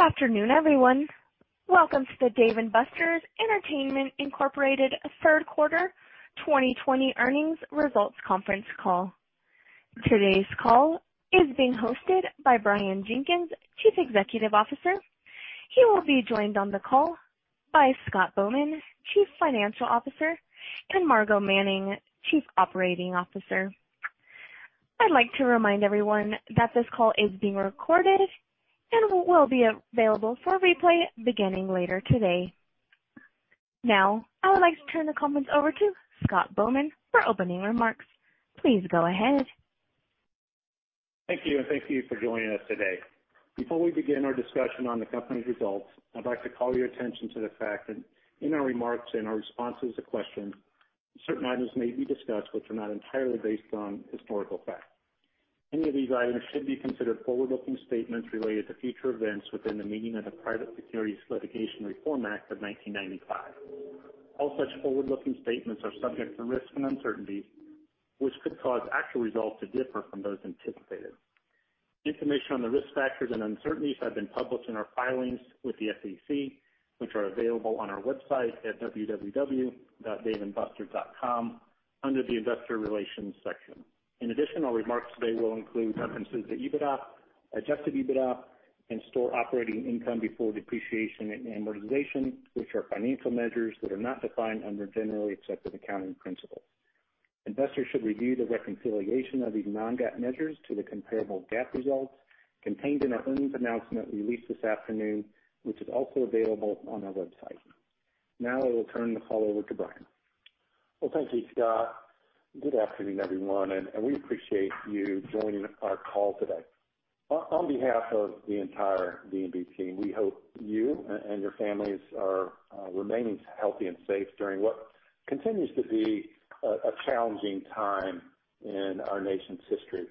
Good afternoon, everyone. Welcome to the Dave & Buster's Entertainment, Inc third quarter 2020 earnings results conference call. Today's call is being hosted by Brian Jenkins, Chief Executive Officer. He will be joined on the call by Scott Bowman, Chief Financial Officer, and Margo Manning, Chief Operating Officer. I'd like to remind everyone that this call is being recorded and will be available for replay beginning later today. Now, I would like to turn the conference over to Scott Bowman for opening remarks. Please go ahead. Thank you, and thank you for joining us today. Before we begin our discussion on the company's results, I'd like to call your attention to the fact that in our remarks, in our responses to questions, certain items may be discussed which are not entirely based on historical fact. Any of these items should be considered forward-looking statements related to future events within the meaning of the Private Securities Litigation Reform Act of 1995. All such forward-looking statements are subject to risks and uncertainties, which could cause actual results to differ from those anticipated. Information on the risk factors and uncertainties have been published in our filings with the SEC, which are available on our website at www.daveandbusters.com under the investor relations section. In addition, our remarks today will include references to EBITDA, adjusted EBITDA, and store operating income before depreciation and amortization, which are financial measures that are not defined under generally accepted accounting principles. Investors should review the reconciliation of these non-GAAP measures to the comparable GAAP results contained in our earnings announcement released this afternoon, which is also available on our website. Now I will turn the call over to Brian. Thank you, Scott. Good afternoon, everyone, and we appreciate you joining our call today. On behalf of the entire D&B team, we hope you and your families are remaining healthy and safe during what continues to be a challenging time in our nation's history.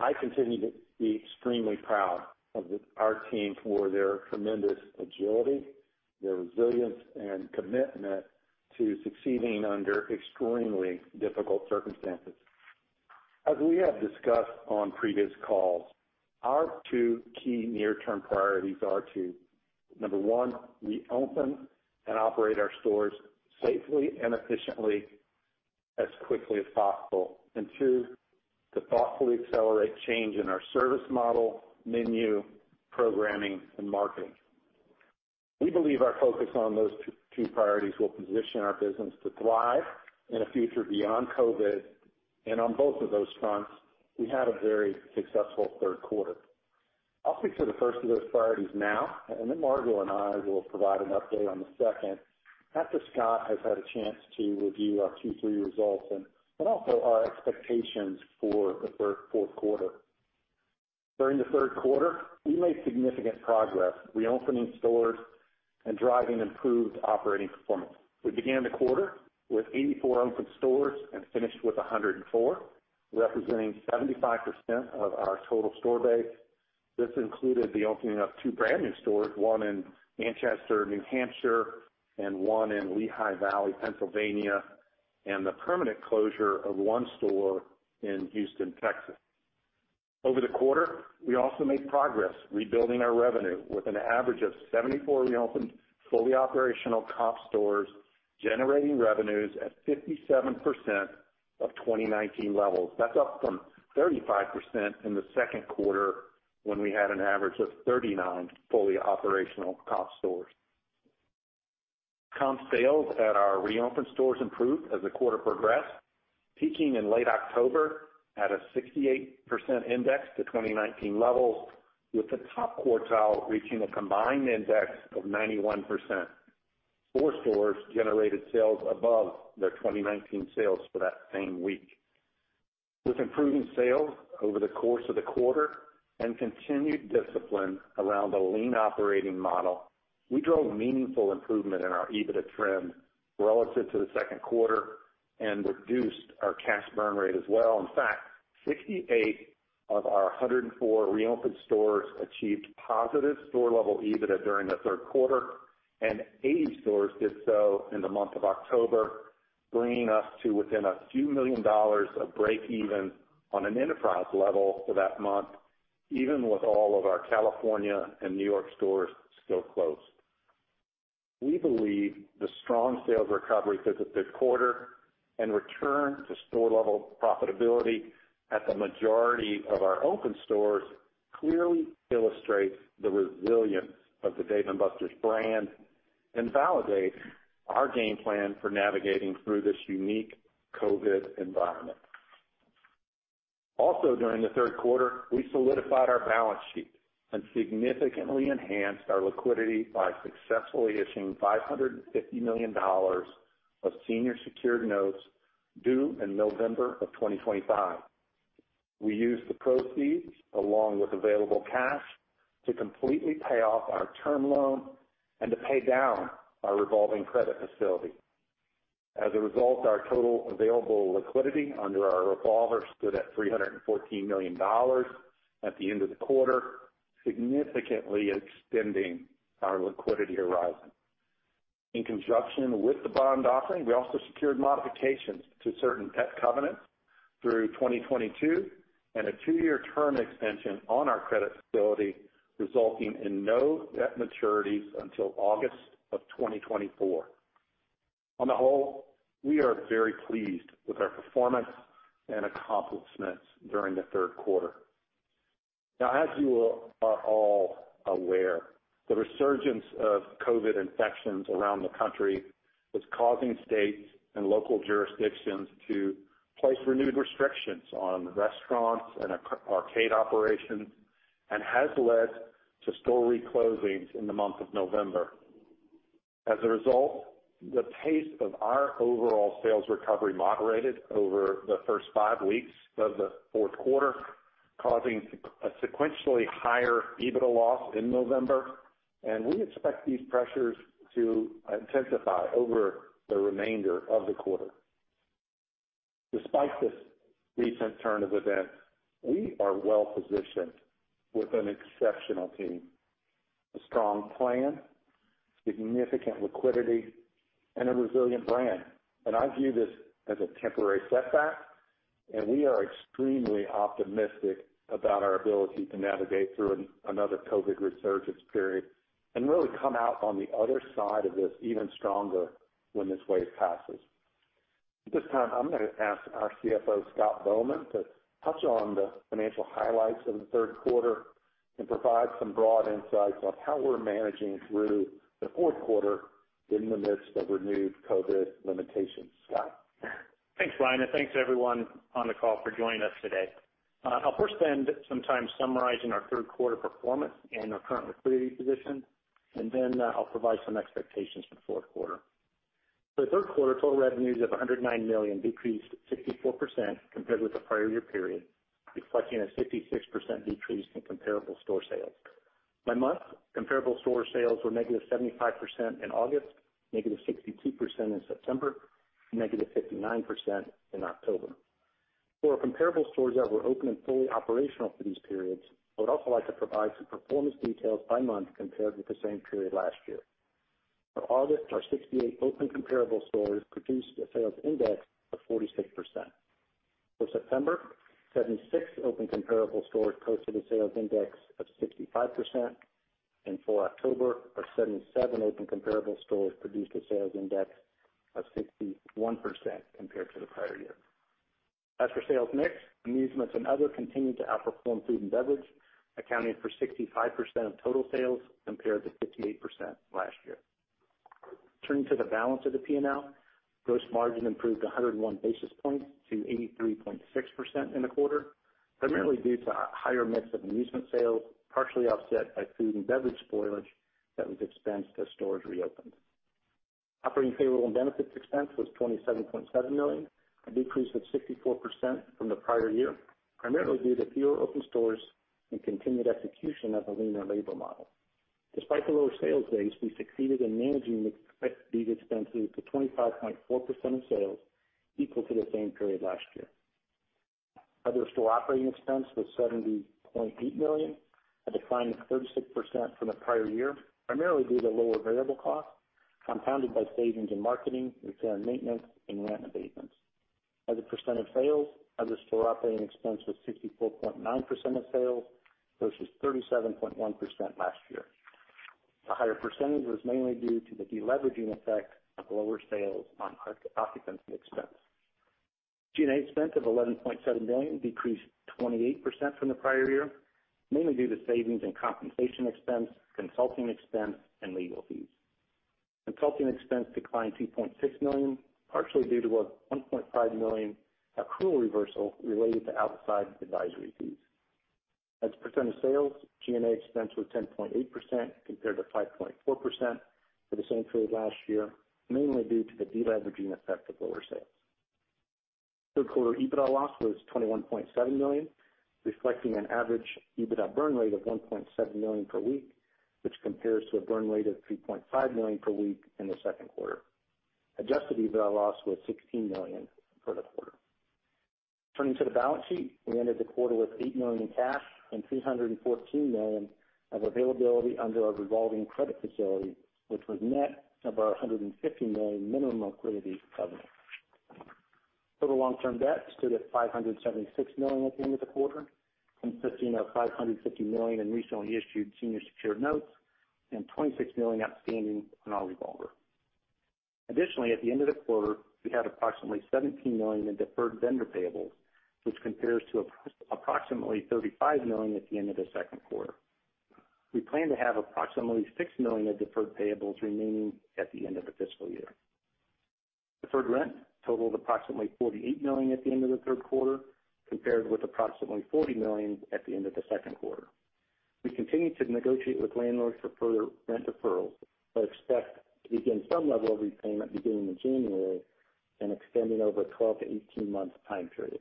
I continue to be extremely proud of our team for their tremendous agility, their resilience, and commitment to succeeding under extremely difficult circumstances. As we have discussed on previous calls, our two key near-term priorities are to, number one, reopen and operate our stores safely and efficiently as quickly as possible, and two, to thoughtfully accelerate change in our service model, menu, programming, and marketing. We believe our focus on those two priorities will position our business to thrive in a future beyond COVID. On both of those fronts, we had a very successful third quarter. I'll speak to the first of those priorities now, and then Margo and I will provide an update on the second after Scott has had a chance to review our Q3 results and also our expectations for the fourth quarter. During the third quarter, we made significant progress reopening stores and driving improved operating performance. We began the quarter with 84 open stores and finished with 104, representing 75% of our total store base. This included the opening of two brand new stores, one in Manchester, New Hampshire, and one in Lehigh Valley, Pennsylvania, and the permanent closure of one store in Houston, Texas. Over the quarter, we also made progress rebuilding our revenue with an average of 74 reopened, fully operational comp stores, generating revenues at 57% of 2019 levels. That's up from 35% in the second quarter when we had an average of 39 fully operational comp stores. Comp sales at our reopened stores improved as the quarter progressed, peaking in late October at a 68% index to 2019 levels, with the top quartile reaching a combined index of 91%. Four stores generated sales above their 2019 sales for that same week. With improving sales over the course of the quarter and continued discipline around a lean operating model, we drove meaningful improvement in our EBITDA trend relative to the second quarter and reduced our cash burn rate as well. In fact, 68 of our 104 reopened stores achieved positive store-level EBITDA during the third quarter, and 80 stores did so in the month of October, bringing us to within a few million dollars of breakeven on an enterprise level for that month, even with all of our California and New York stores still closed. We believe the strong sales recovery through the third quarter and return to store-level profitability at the majority of our open stores clearly illustrates the resilience of the Dave & Buster's brand and validates our game plan for navigating through this unique COVID environment. During the third quarter, we solidified our balance sheet and significantly enhanced our liquidity by successfully issuing $550 million of senior secured notes due in November of 2025. We used the proceeds along with available cash to completely pay off our term loan and to pay down our revolving credit facility. As a result, our total available liquidity under our revolver stood at $314 million at the end of the quarter, significantly extending our liquidity horizon. In conjunction with the bond offering, we also secured modifications to certain debt covenants through 2022, and a two-year term extension on our credit facility, resulting in no debt maturities until August of 2024. On the whole, we are very pleased with our performance and accomplishments during the third quarter. Now, as you are all aware, the resurgence of COVID infections around the country is causing states and local jurisdictions to place renewed restrictions on restaurants and arcade operations, and has led to store reclosings in the month of November. As a result, the pace of our overall sales recovery moderated over the first five weeks of the fourth quarter, causing a sequentially higher EBITDA loss in November. We expect these pressures to intensify over the remainder of the quarter. Despite this recent turn of events, we are well-positioned with an exceptional team, a strong plan, significant liquidity, and a resilient brand. I view this as a temporary setback, and we are extremely optimistic about our ability to navigate through another COVID resurgence period, and really come out on the other side of this even stronger when this wave passes. At this time, I'm going to ask our CFO, Scott Bowman, to touch on the financial highlights of the third quarter and provide some broad insights on how we're managing through the fourth quarter in the midst of renewed COVID limitations. Scott? Thanks, Brian, and thanks, everyone on the call for joining us today. I'll first spend some time summarizing our third quarter performance and our current liquidity position, then I'll provide some expectations for the fourth quarter. For the third quarter, total revenues of $109 million decreased 64% compared with the prior year period, reflecting a 56% decrease in comparable store sales. By month, comparable store sales were -75% in August, -62% in September, -59% in October. For our comparable stores that were open and fully operational for these periods, I would also like to provide some performance details by month compared with the same period last year. For August, our 68 open comparable stores produced a sales index of 46%. For September, 76 open comparable stores posted a sales index of 65%. For October, our 77 open comparable stores produced a sales index of 61% compared to the prior year. As for sales mix, amusements and other continued to outperform food and beverage, accounting for 65% of total sales compared to 58% last year. Turning to the balance of the P&L, gross margin improved 101 basis points to 83.6% in the quarter, primarily due to a higher mix of amusement sales, partially offset by food and beverage spoilage that was expensed as stores reopened. Operating payroll and benefits expense was $27.7 million, a decrease of 64% from the prior year, primarily due to fewer open stores and continued execution of a leaner labor model. Despite the lower sales base, we succeeded in managing these expenses to 25.4% of sales, equal to the same period last year. Other store operating expense was $70.8 million, a decline of 36% from the prior year, primarily due to lower variable costs, compounded by savings in marketing, repair and maintenance, and rent abatements. As a percent of sales, other store operating expense was 64.9% of sales versus 37.1% last year. The higher percentage was mainly due to the deleveraging effect of lower sales on occupancy expense. G&A expense of $11.7 million decreased 28% from the prior year, mainly due to savings in compensation expense, consulting expense, and legal fees. Consulting expense declined $2.6 million, partially due to a $1.5 million accrual reversal related to outside advisory fees. As a percent of sales, G&A expense was 10.8% compared to 5.4% for the same period last year, mainly due to the deleveraging effect of lower sales. Third quarter EBITDA loss was $21.7 million, reflecting an average EBITDA burn rate of $1.7 million per week, which compares to a burn rate of $3.5 million per week in the second quarter. Adjusted EBITDA loss was $16 million for the quarter. Turning to the balance sheet, we ended the quarter with $8 million in cash and $314 million of availability under our revolving credit facility, which was net of our $150 million minimum liquidity covenant. Total long-term debt stood at $576 million at the end of the quarter, consisting of $550 million in recently issued senior secured notes and $26 million outstanding on our revolver. Additionally, at the end of the quarter, we had approximately $17 million in deferred vendor payables, which compares to approximately $35 million at the end of the second quarter. We plan to have approximately $6 million of deferred payables remaining at the end of the fiscal year. Deferred rent totaled approximately $48 million at the end of the third quarter, compared with approximately $40 million at the end of the second quarter. We continue to negotiate with landlords for further rent deferrals, expect to begin some level of repayment beginning in January and extending over a 12-18-month time period.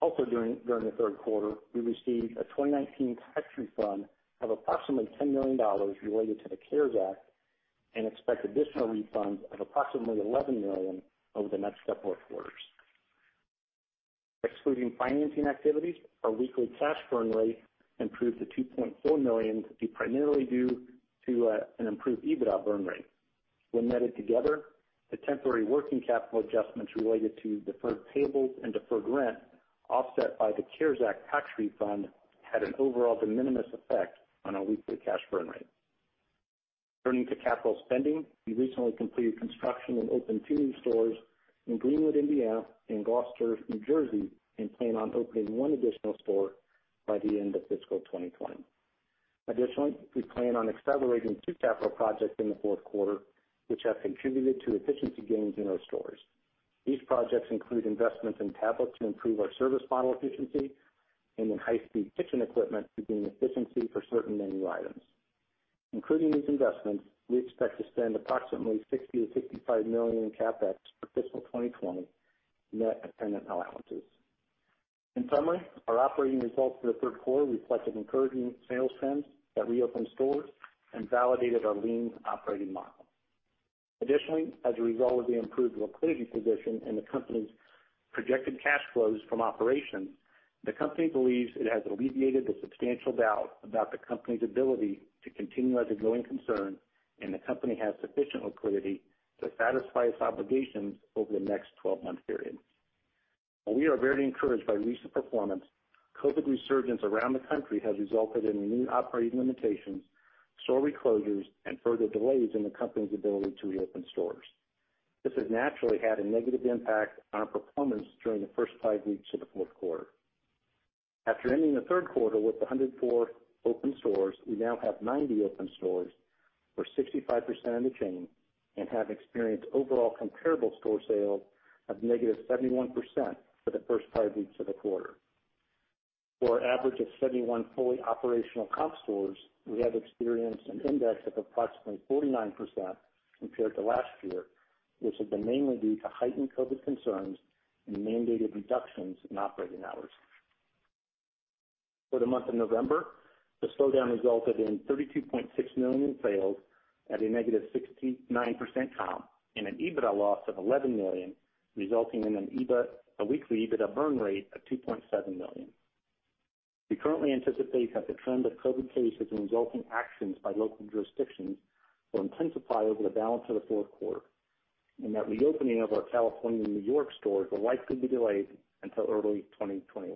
Also during the third quarter, we received a 2019 tax refund of approximately $10 million related to the CARES Act, and expect additional refunds of approximately $11 million over the next several quarters. Excluding financing activities, our weekly cash burn rate improved to $2.4 million, primarily due to an improved EBITDA burn rate. When netted together, the temporary working capital adjustments related to deferred payables and deferred rent, offset by the CARES Act tax refund, had an overall de minimis effect on our weekly cash burn rate. Turning to capital spending, we recently completed construction and opened two new stores in Greenwood, Indiana, and Gloucester, New Jersey, and plan on opening one additional store by the end of fiscal 2020. Additionally, we plan on accelerating two capital projects in the fourth quarter, which have contributed to efficiency gains in our stores. These projects include investments in tablets to improve our service model efficiency and in high-speed kitchen equipment to gain efficiency for certain menu items. Including these investments, we expect to spend approximately $60 million-$65 million in CapEx for fiscal 2020, net of tenant allowances. In summary, our operating results for the third quarter reflected encouraging sales trends at reopened stores and validated our lean operating model. Additionally, as a result of the improved liquidity position and the company's projected cash flows from operations, the company believes it has alleviated the substantial doubt about the company's ability to continue as a going concern, and the company has sufficient liquidity to satisfy its obligations over the next 12-month period. While we are very encouraged by recent performance, COVID resurgence around the country has resulted in new operating limitations, store reclosures, and further delays in the company's ability to reopen stores. This has naturally had a negative impact on our performance during the first five weeks of the fourth quarter. After ending the third quarter with 104 open stores, we now have 90 open stores, or 65% of the chain, and have experienced overall comparable store sales of -71% for the first five weeks of the quarter. For our average of 71 fully operational comp stores, we have experienced an index of approximately 49% compared to last year, which has been mainly due to heightened COVID concerns and mandated reductions in operating hours. For the month of November, the slowdown resulted in $32.6 million in sales at a -69% comp and an EBITDA loss of $11 million, resulting in a weekly EBITDA burn rate of $2.7 million. We currently anticipate that the trend of COVID cases and resulting actions by local jurisdictions will intensify over the balance of the fourth quarter, and that reopening of our California and New York stores will likely be delayed until early 2021.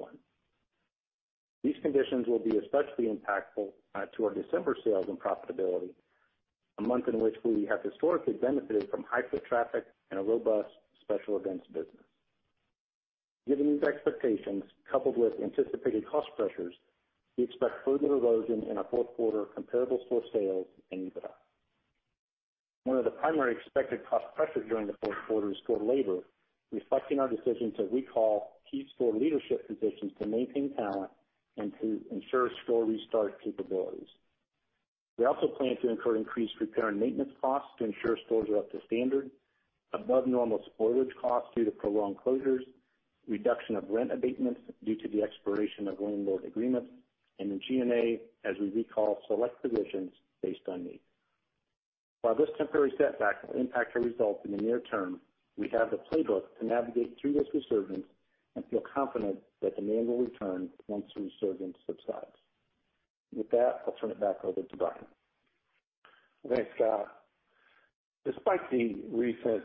These conditions will be especially impactful to our December sales and profitability, a month in which we have historically benefited from high foot traffic and a robust special events business. Given these expectations, coupled with anticipated cost pressures, we expect further erosion in our fourth quarter comparable store sales and EBITDA. One of the primary expected cost pressures during the fourth quarter is store labor, reflecting our decision to recall key store leadership positions to maintain talent and to ensure store restart capabilities. We also plan to incur increased repair and maintenance costs to ensure stores are up to standard, above normal spoilage costs due to prolonged closures, reduction of rent abatements due to the expiration of landlord agreements, and in G&A as we recall select provisions based on need. While this temporary setback will impact our results in the near term, we have the playbook to navigate through this resurgence and feel confident that demand will return once the resurgence subsides. With that, I'll turn it back over to Brian. Thanks, Scott. Despite the recent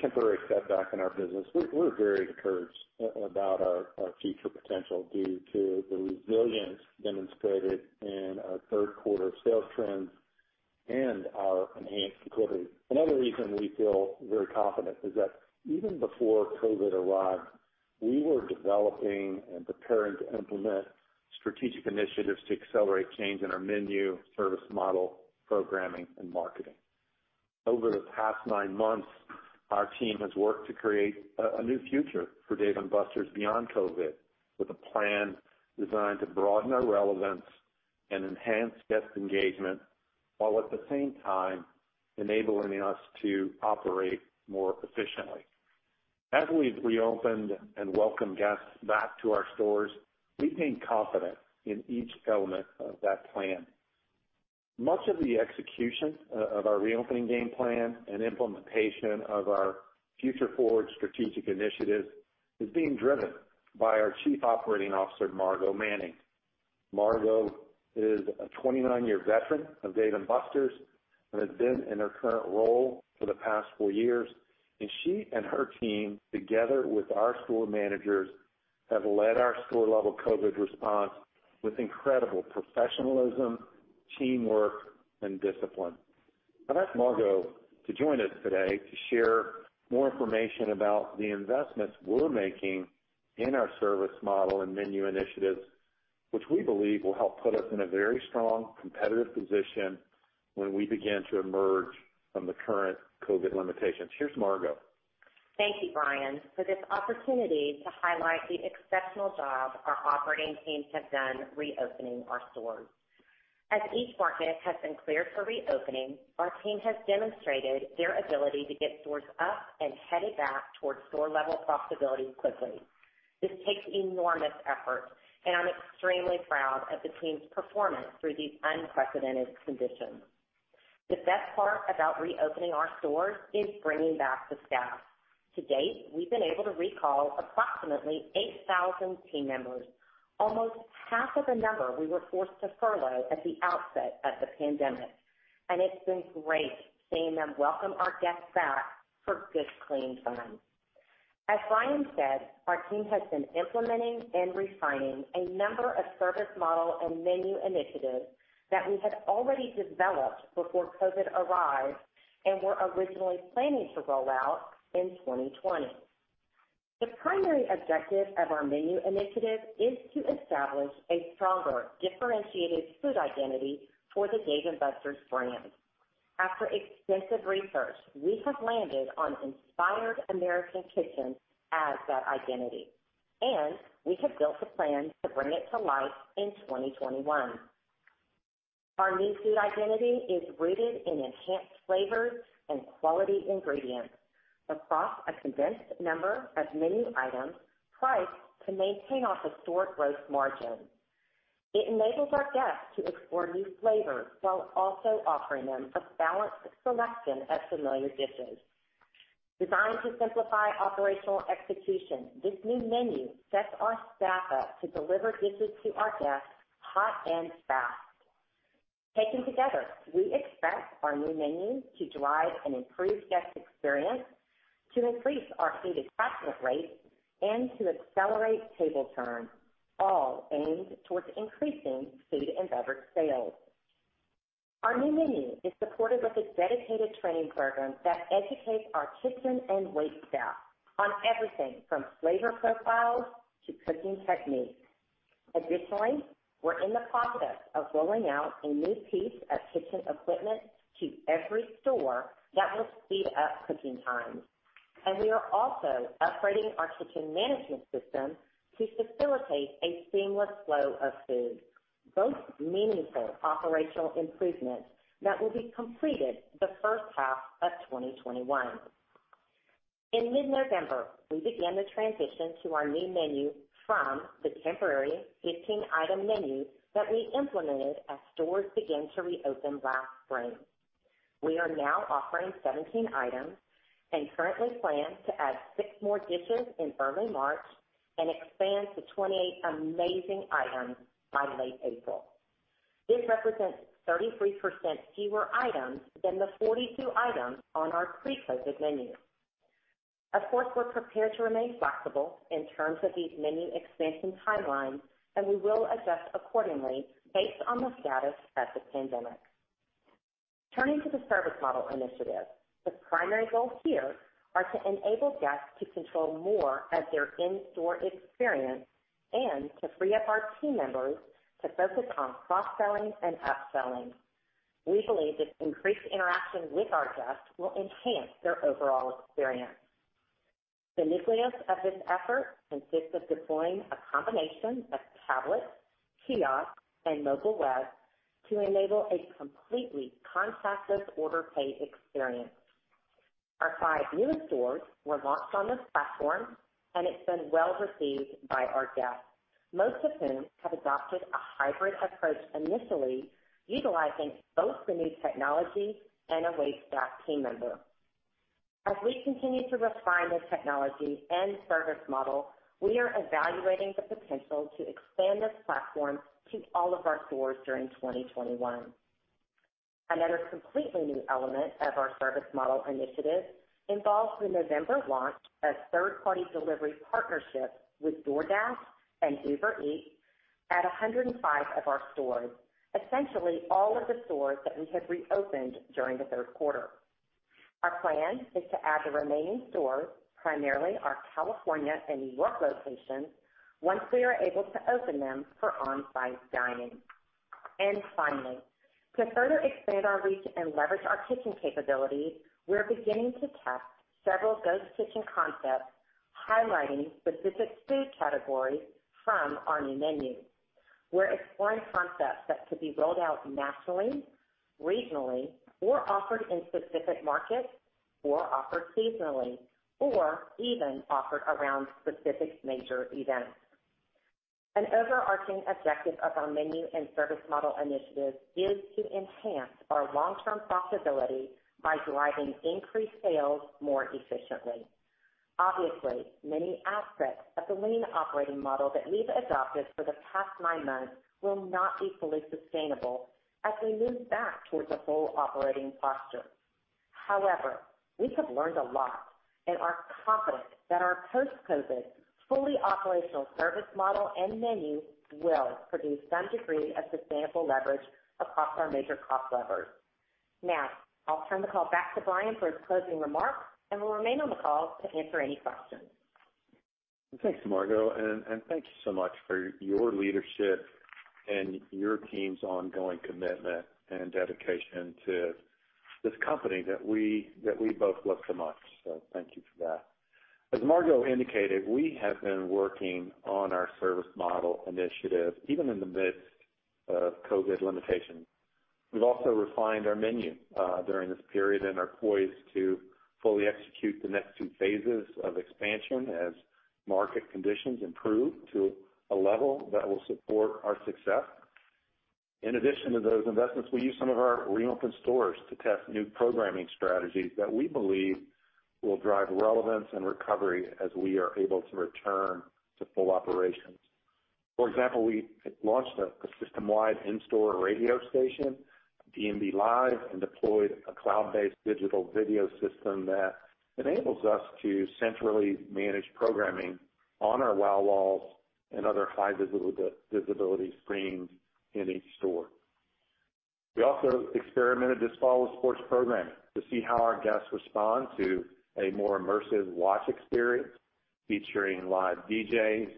temporary setback in our business, we're very encouraged about our future potential due to the resilience demonstrated in our third quarter sales trends and our enhanced liquidity. Another reason we feel very confident is that even before COVID arrived, we were developing and preparing to implement strategic initiatives to accelerate change in our menu, service model, programming, and marketing. Over the past nine months, our team has worked to create a new future for Dave & Buster's beyond COVID, with a plan designed to broaden our relevance and enhance guest engagement, while at the same time enabling us to operate more efficiently. As we've reopened and welcomed guests back to our stores, we've gained confidence in each element of that plan. Much of the execution of our reopening game plan and implementation of our Future Forward strategic initiative is being driven by our Chief Operating Officer, Margo Manning. Margo is a 29-year veteran of Dave & Buster's and has been in her current role for the past four years, and she and her team, together with our store managers, have led our store-level COVID response with incredible professionalism, teamwork, and discipline. I'd ask Margo to join us today to share more information about the investments we're making in our service model and menu initiatives, which we believe will help put us in a very strong competitive position when we begin to emerge from the current COVID limitations. Here's Margo. Thank you, Brian, for this opportunity to highlight the exceptional job our operating teams have done reopening our stores. As each market has been cleared for reopening, our team has demonstrated their ability to get stores up and headed back towards store-level profitability quickly. This takes enormous effort, and I'm extremely proud of the team's performance through these unprecedented conditions. The best part about reopening our stores is bringing back the staff. To date, we've been able to recall approximately 8,000 team members, almost half of the number we were forced to furlough at the outset of the pandemic, and it's been great seeing them welcome our guests back for good, clean fun. As Brian said, our team has been implementing and refining a number of service model and menu initiatives that we had already developed before COVID arrived and were originally planning to roll out in 2020. The primary objective of our menu initiative is to establish a stronger, differentiated food identity for the Dave & Buster's brand. After extensive research, we have landed on Inspired American Kitchen as that identity, and we have built a plan to bring it to life in 2021. Our new food identity is rooted in enhanced flavors and quality ingredients across a condensed number of menu items priced to maintain off-the-store gross margin. It enables our guests to explore new flavors while also offering them a balanced selection of familiar dishes. Designed to simplify operational execution, this new menu sets our staff up to deliver dishes to our guests hot and fast. Taken together, we expect our new menu to drive an improved guest experience, to increase our food attachment rate, and to accelerate table turns, all aimed towards increasing food and beverage sales. Our new menu is supported with a dedicated training program that educates our kitchen and wait staff on everything from flavor profiles to cooking techniques. Additionally, we're in the process of rolling out a new piece of kitchen equipment to every store that will speed up cooking times. We are also upgrading our kitchen management system to facilitate a seamless flow of food, both meaningful operational improvements that will be completed the first half of 2021. In mid-November, we began the transition to our new menu from the temporary 15-item menu that we implemented as stores began to reopen last spring. We are now offering 17 items and currently plan to add six more dishes in early March and expand to 28 amazing items by late April. This represents 33% fewer items than the 42 items on our pre-COVID menu. Of course, we're prepared to remain flexible in terms of these menu expansion timelines, and we will adjust accordingly based on the status of the pandemic. Turning to the service model initiative, the primary goals here are to enable guests to control more of their in-store experience and to free up our team members to focus on cross-selling and upselling. We believe that increased interaction with our guests will enhance their overall experience. The nucleus of this effort consists of deploying a combination of tablets, kiosks, and mobile web to enable a completely contactless order pay experience. Our five newer stores were launched on this platform, and it's been well received by our guests, most of whom have adopted a hybrid approach initially utilizing both the new technology and a wait staff team member. As we continue to refine this technology and service model, we are evaluating the potential to expand this platform to all of our stores during 2021. Another completely new element of our service model initiative involves the November launch of third-party delivery partnerships with DoorDash and Uber Eats at 105 of our stores, essentially all of the stores that we had reopened during the third quarter. Our plan is to add the remaining stores, primarily our California and New York locations, once we are able to open them for on-site dining. Finally, to further expand our reach and leverage our kitchen capabilities, we're beginning to test several ghost kitchen concepts highlighting specific food categories from our new menu. We're exploring concepts that could be rolled out nationally, regionally or offered in specific markets, or offered seasonally, or even offered around specific major events. An overarching objective of our menu and service model initiatives is to enhance our long-term profitability by driving increased sales more efficiently. Obviously, many aspects of the lean operating model that we've adopted for the past nine months will not be fully sustainable as we move back towards a full operating posture. However, we have learned a lot and are confident that our post-COVID, fully operational service model and menu will produce some degree of sustainable leverage across our major cost levers. I'll turn the call back to Brian for his closing remarks, and we'll remain on the call to answer any questions. Thanks, Margo, and thank you so much for your leadership and your team's ongoing commitment and dedication to this company that we both love so much. Thank you for that. As Margo indicated, we have been working on our service model initiative even in the midst of COVID limitations. We've also refined our menu during this period and are poised to fully execute the next two phases of expansion as market conditions improve to a level that will support our success. In addition to those investments, we use some of our reopened stores to test new programming strategies that we believe will drive relevance and recovery as we are able to return to full operations. For example, we launched a system-wide in-store radio station, D&B Live, and deployed a cloud-based digital video system that enables us to centrally manage programming on our WOW Walls and other high-visibility screens in each store. We also experimented this fall with sports programming to see how our guests respond to a more immersive watch experience, featuring live DJs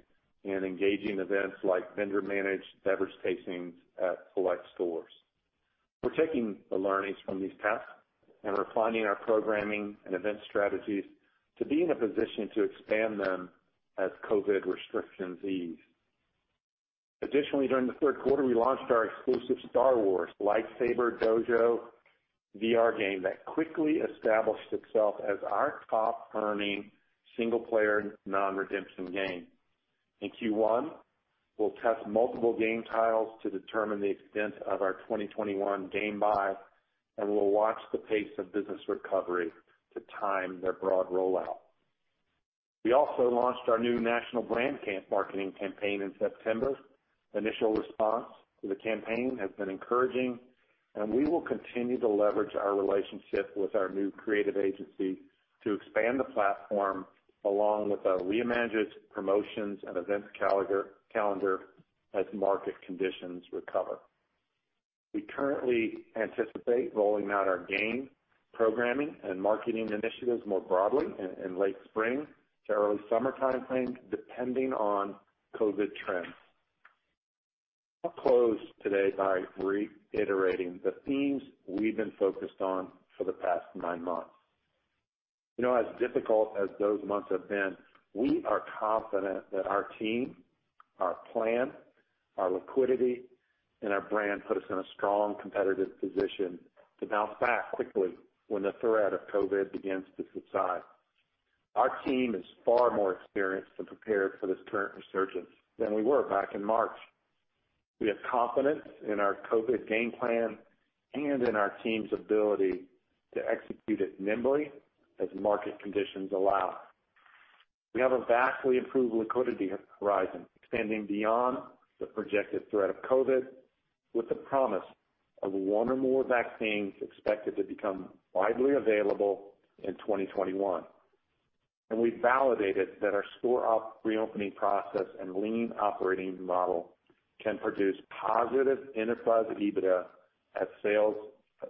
and engaging events like vendor-managed beverage tastings at select stores. We're taking the learnings from these tests and refining our programming and event strategies to be in a position to expand them as COVID restrictions ease. Additionally, during the third quarter, we launched our exclusive Star Wars: Lightsaber Dojo VR game that quickly established itself as our top-earning single-player non-redemption game. In Q1, we'll test multiple game titles to determine the extent of our 2021 game buy, and we'll watch the pace of business recovery to time their broad rollout. We also launched our new national brand marketing campaign in September. Initial response to the campaign has been encouraging, and we will continue to leverage our relationship with our new creative agency to expand the platform, along with our re-managed promotions and events calendar as market conditions recover. We currently anticipate rolling out our game programming and marketing initiatives more broadly in late spring to early summer timeframe, depending on COVID trends. I'll close today by reiterating the themes we've been focused on for the past nine months. As difficult as those months have been, we are confident that our team, our plan, our liquidity, and our brand put us in a strong competitive position to bounce back quickly when the threat of COVID begins to subside. Our team is far more experienced and prepared for this current resurgence than we were back in March. We have confidence in our COVID game plan and in our team's ability to execute it nimbly as market conditions allow. We have a vastly improved liquidity horizon extending beyond the projected threat of COVID, with the promise of one or more vaccines expected to become widely available in 2021. We validated that our store reopening process and lean operating model can produce positive enterprise EBITDA at sales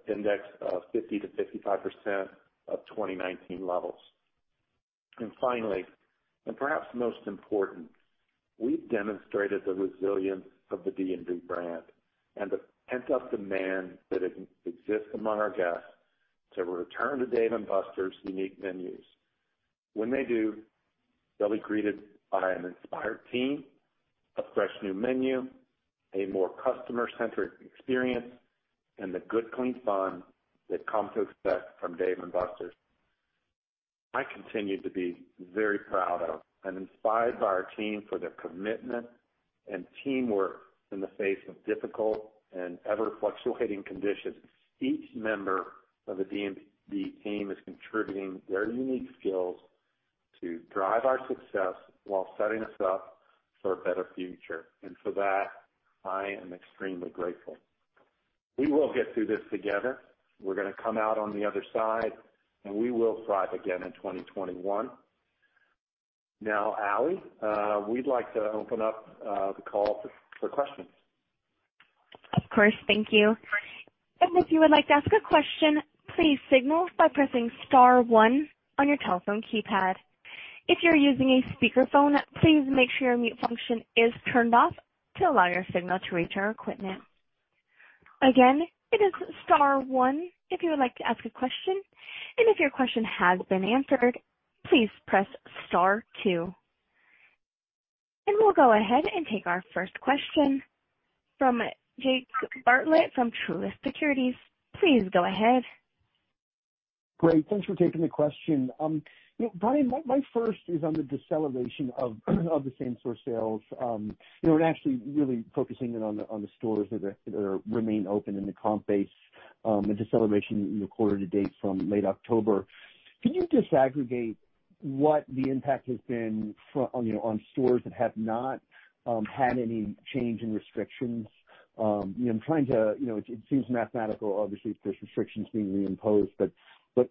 index of 50%-55% of 2019 levels. Finally, and perhaps most important, we've demonstrated the resilience of the D&B brand and the pent-up demand that exists among our guests to return to Dave & Buster's unique venues. When they do, they'll be greeted by an inspired team, a fresh new menu, a more customer-centric experience, and the good clean fun they've come to expect from Dave & Buster's. I continue to be very proud of and inspired by our team for their commitment and teamwork in the face of difficult and ever-fluctuating conditions. Each member of the D&B team is contributing their unique skills to drive our success while setting us up for a better future. For that, I am extremely grateful. We will get through this together. We're going to come out on the other side, and we will thrive again in 2021. Ally, we'd like to open up the call for questions. Of course. Thank you. If you would like to ask a question, please signal by pressing star one on your telephone keypad. If you're using a speakerphone, please make sure your mute function is turned off to allow your signal to reach our equipment. Again, it is star one if you would like to ask a question, and if your question has been answered, please press star two. We'll go ahead and take our first question from Jake Bartlett from Truist Securities. Please go ahead. Great. Thanks for taking the question. Brian, my first is on the deceleration of the same-store sales. actually really focusing in on the stores that remain open in the comp base and deceleration in the quarter to date from late October. Can you disaggregate what the impact has been on stores that have not had any change in restrictions? It seems mathematical, obviously, if there's restrictions being reimposed.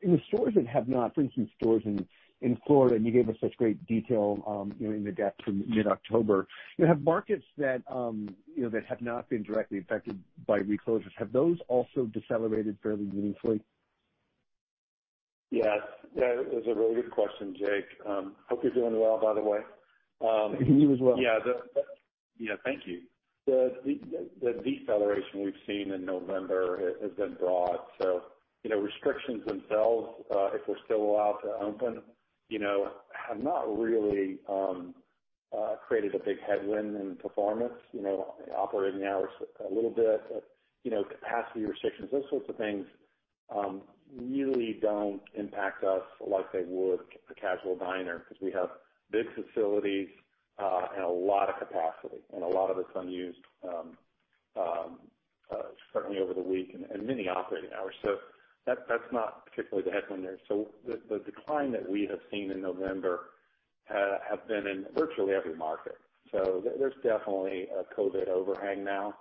In the stores that have not, for instance, stores in Florida, and you gave us such great detail in the depth from mid-October. Have markets that have not been directly affected by reclosures, have those also decelerated fairly meaningfully? Yes. That is a really good question, Jake. Hope you're doing well, by the way. You as well. Yeah. Thank you. The deceleration we've seen in November has been broad. Restrictions themselves, if we're still allowed to open, have not really created a big headwind in performance, operating hours a little bit, capacity restrictions, those sorts of things really don't impact us like they would a casual diner because we have big facilities and a lot of capacity, and a lot of it's unused, certainly over the week and many operating hours. That's not particularly the headwind there. The decline that we have seen in November have been in virtually every market. There's definitely a COVID overhang now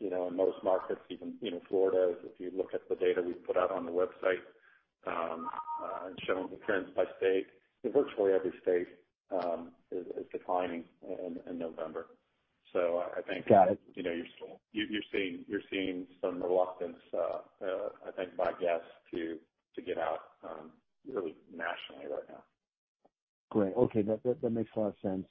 in most markets, even in Florida. If you look at the data we put out on the website and showing occurrence by state, virtually every state is declining in November. I think. Got it. You're seeing some reluctance, I think, by guests to get out really nationally right now. Great. Okay. That makes a lot of sense.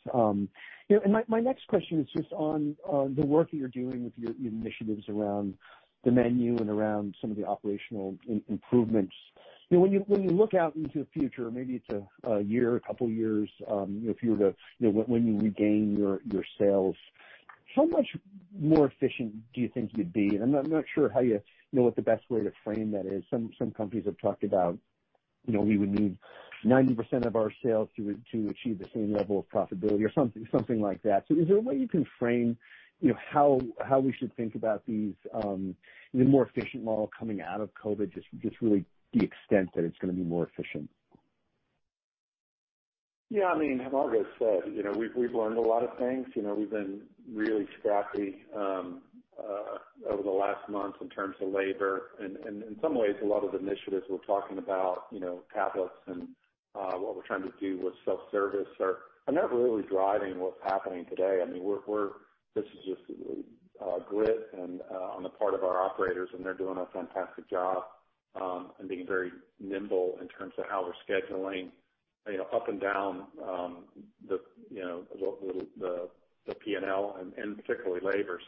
My next question is just on the work that you're doing with your initiatives around the menu and around some of the operational improvements. When you look out into the future, maybe it's a year, a couple of years, when you regain your sales, how much more efficient do you think you'd be? I'm not sure what the best way to frame that is. Some companies have talked about, "We would need 90% of our sales to achieve the same level of profitability," or something like that. Is there a way you can frame how we should think about these, the more efficient model coming out of COVID, just really the extent that it's going to be more efficient? Yeah, Margo said we've learned a lot of things. We've been really scrappy over the last month in terms of labor. In some ways, a lot of the initiatives we're talking about, tablets and what we're trying to do with self-service are not really driving what's happening today. This is just grit on the part of our operators, and they're doing a fantastic job and being very nimble in terms of how they're scheduling up and down the P&L and particularly labor.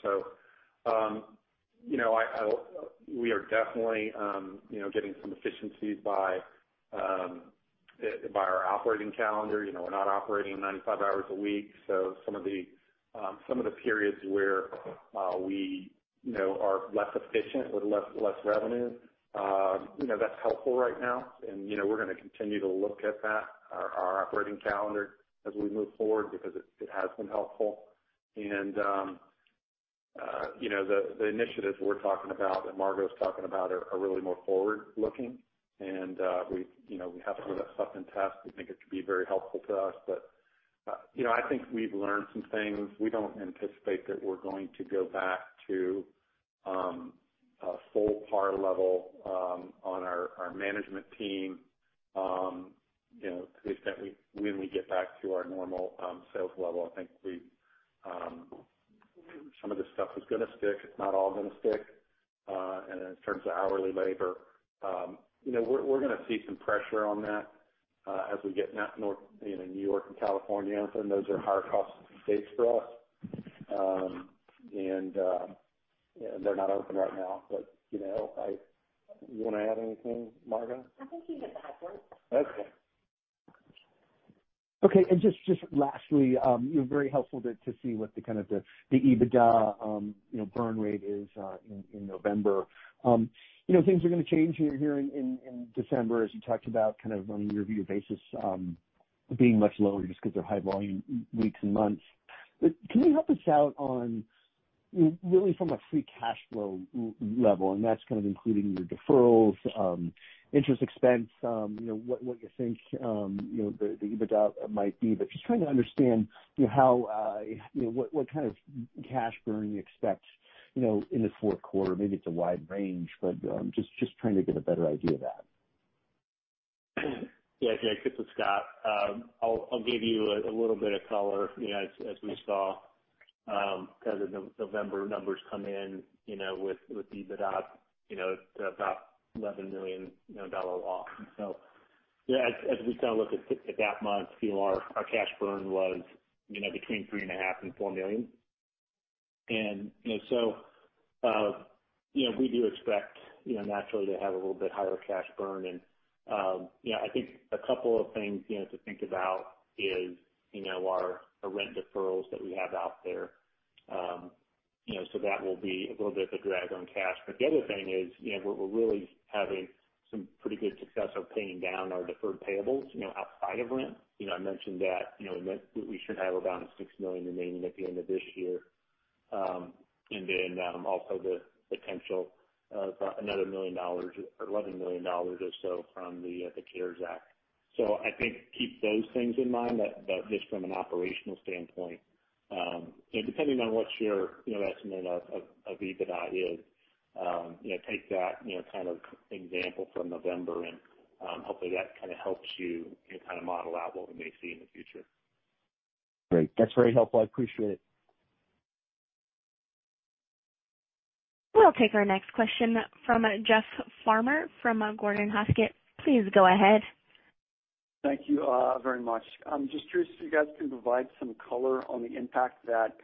We are definitely getting some efficiencies by our operating calendar. We're not operating 95 hours a week, some of the periods where we are less efficient with less revenue, that's helpful right now. We're going to continue to look at that, our operating calendar as we move forward because it has been helpful. The initiatives we're talking about, that Margo's talking about are really more forward-looking, and we have to put that stuff in test. We think it could be very helpful to us. I think we've learned some things. We don't anticipate that we're going to go back to a full par level on our management team to the extent when we get back to our normal sales level. I think some of this stuff is going to stick. It's not all going to stick. Then in terms of hourly labor, we're going to see some pressure on that as we get New York and California open. Those are higher cost states for us. They're not open right now. You want to add anything, Margo? I think you hit the high points. Okay. Okay. Just lastly, very helpful to see what the kind of the EBITDA burn rate is in November. Things are going to change here in December, as you talked about on a year-over-year basis, being much lower just because they're high volume weeks and months. Can you help us out on really from a free cash flow level, and that's kind of including your deferrals, interest expense, what you think the EBITDA might be. Just trying to understand what kind of cash burn you expect in the fourth quarter. Maybe it's a wide range, but just trying to get a better idea of that. Yeah, Jake, this is Scott. I'll give you a little bit of color as we saw the November numbers come in with EBITDA, it's about $11 million off. As we kind of look at that month, our cash burn was between $3.5 million and $4 million. We do expect naturally to have a little bit higher cash burn. I think a couple of things to think about is our rent deferrals that we have out there. That will be a little bit of a drag on cash. The other thing is we're really having some pretty good success of paying down our deferred payables outside of rent. I mentioned that we should have around $6 million remaining at the end of this year. Also the potential of another $1 million or $11 million or so from the CARES Act. I think keep those things in mind, but just from an operational standpoint, depending on what your estimate of EBITDA is, take that kind of example from November, and hopefully that kind of helps you kind of model out what we may see in the future. Great. That's very helpful. I appreciate it. We'll take our next question from Jeff Farmer from Gordon Haskett. Please go ahead. Thank you very much. I'm just curious if you guys can provide some color on the impact that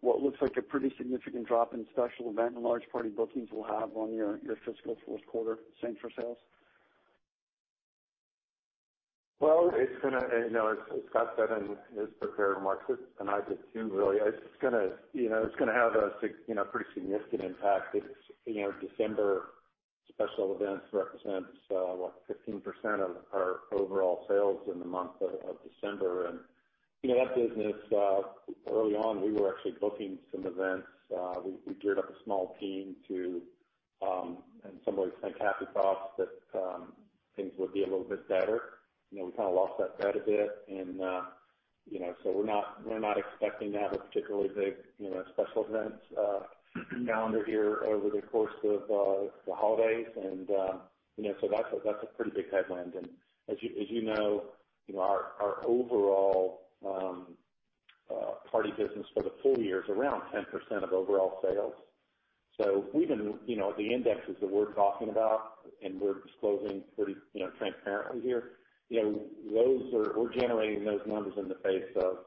what looks like a pretty significant drop in special event and large party bookings will have on your fiscal fourth quarter same-store sales? Well, as Scott said in his prepared remarks, and I did too, really, it's going to have a pretty significant impact. December special events represents 15% of our overall sales in the month of December. That business, early on, we were actually booking some events. We geared up a small team to in some ways think happy thoughts that things would be a little bit better. We kind of lost that thread a bit, so we're not expecting to have a particularly big special events calendar here over the course of the holidays. That's a pretty big headwind. As you know, our overall party business for the full year is around 10% of overall sales. Even the indexes that we're talking about, and we're disclosing pretty transparently here, we're generating those numbers in the face of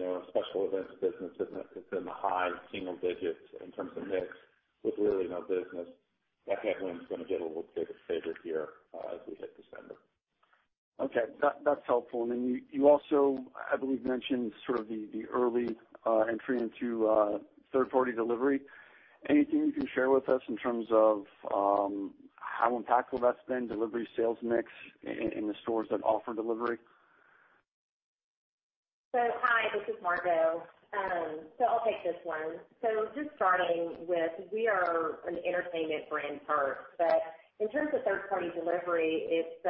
a special events business that's in the high single digits in terms of mix, with really no business. That headwind's going to get a little bit bigger here as we hit December. Okay. That's helpful. You also, I believe, mentioned the early entry into third-party delivery. Anything you can share with us in terms of how impactful that's been, delivery sales mix in the stores that offer delivery? Hi, this is Margo. I'll take this one. Just starting with, we are an entertainment brand first. In terms of third party delivery, it's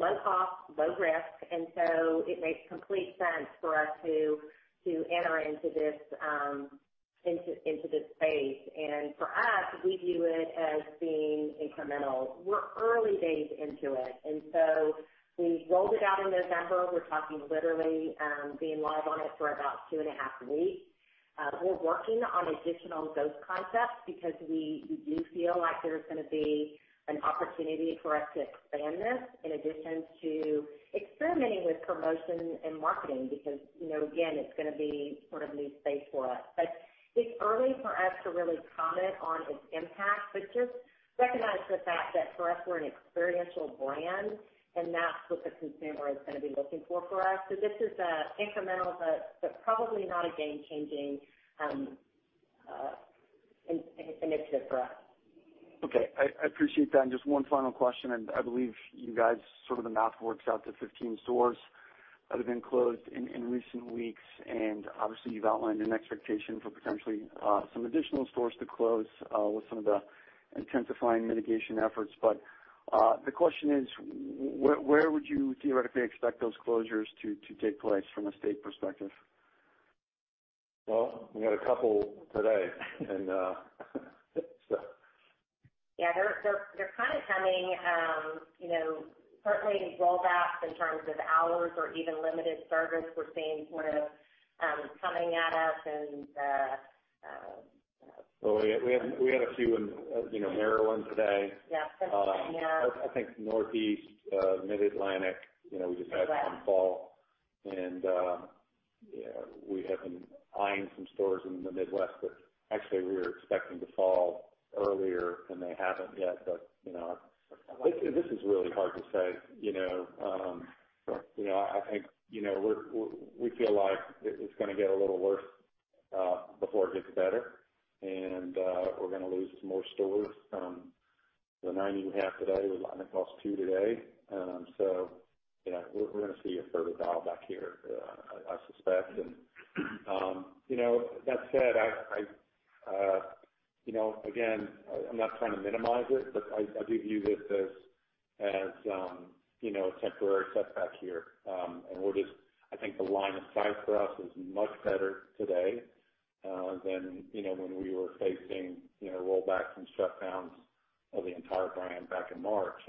low cost, low risk, and so it makes complete sense for us to enter into this space. For us, we view it as being incremental. We're early days into it, and so we rolled it out in November. We're talking literally being live on it for about two and a half weeks. We're working on additional ghost concepts because we do feel like there's going to be an opportunity for us to expand this in addition to experimenting with promotion and marketing, because, again, it's going to be sort of new space for us. It's early for us to really comment on its impact, but just recognize the fact that for us, we're an experiential brand, and that's what the consumer is going to be looking for for us. This is incremental, but probably not a game changing initiative for us. Okay. I appreciate that. Just one final question. I believe you guys, sort of the math works out to 15 stores that have been closed in recent weeks, and obviously you've outlined an expectation for potentially some additional stores to close with some of the intensifying mitigation efforts. The question is, where would you theoretically expect those closures to take place from a state perspective? Well, we had a couple today. Yeah, they're kind of coming. Rollbacks in terms of hours or even limited service we're seeing sort of coming at us. Well, we had a few in Maryland today. Yeah. Pennsylvania. I think Northeast, Mid-Atlantic, we just had one fall. We have been eyeing some stores in the Midwest that actually we were expecting to fall earlier, and they haven't yet. This is really hard to say. We feel like it's going to get a little worse before it gets better, and we're going to lose some more stores. The 90 we have today, we lost two today. We're going to see a further dial back here, I suspect. That said, again, I'm not trying to minimize it, but I do view this as a temporary setback here. I think the line of sight for us is much better today than when we were facing rollbacks and shutdowns of the entire brand back in March.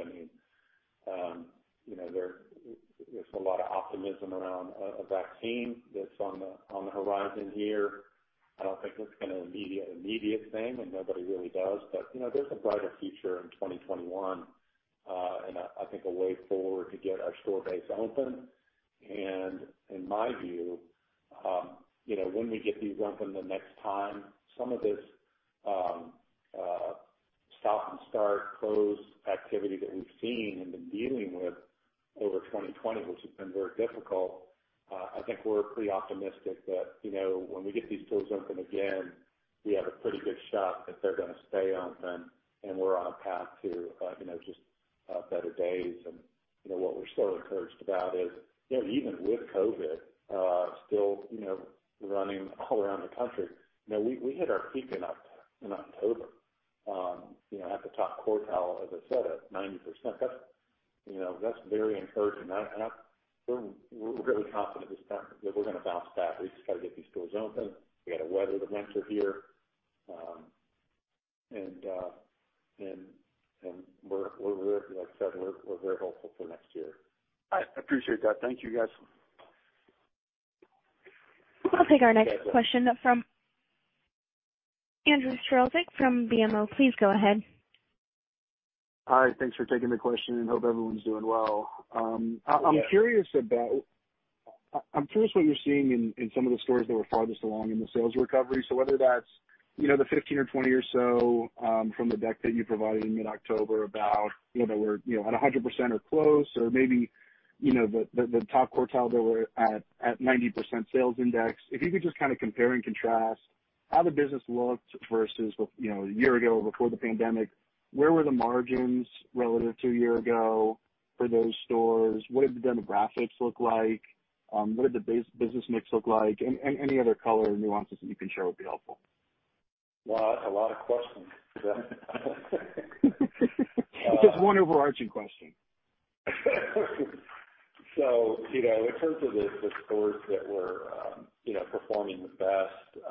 There's a lot of optimism around a vaccine that's on the horizon here. I don't think it's an immediate thing, and nobody really does, but there's a brighter future in 2021, and I think a way forward to get our store base open. In my view, when we get these open the next time, some of this stop and start, close activity that we've seen and been dealing with over 2020, which has been very difficult, I think we're pretty optimistic that when we get these stores open again, we have a pretty good shot that they're going to stay open and we're on a path to just better days. What we're sort of encouraged about is even with COVID still running all around the country, we hit our peak in October, at the top quartile, as I said, at 90%. That's very encouraging. We're really confident at this time that we're going to bounce back. We just got to get these stores open. We got to weather the winter here. Like I said, we're very hopeful for next year. I appreciate that. Thank you, guys. We'll take our next question from Andrew Strelzik from BMO. Please go ahead. Hi, thanks for taking the question, and hope everyone's doing well. Yeah. I'm curious what you're seeing in some of the stores that were farthest along in the sales recovery. Whether that's the 15 or 20 or so from the deck that you provided in mid-October, that were at 100% or close, or maybe the top quartile that were at 90% sales index. If you could just compare and contrast how the business looked versus a year ago before the pandemic, where were the margins relative to a year ago for those stores? What did the demographics look like? What did the business mix look like? Any other color or nuances that you can share would be helpful. Well, a lot of questions. Just one overarching question. In terms of the stores that were performing the best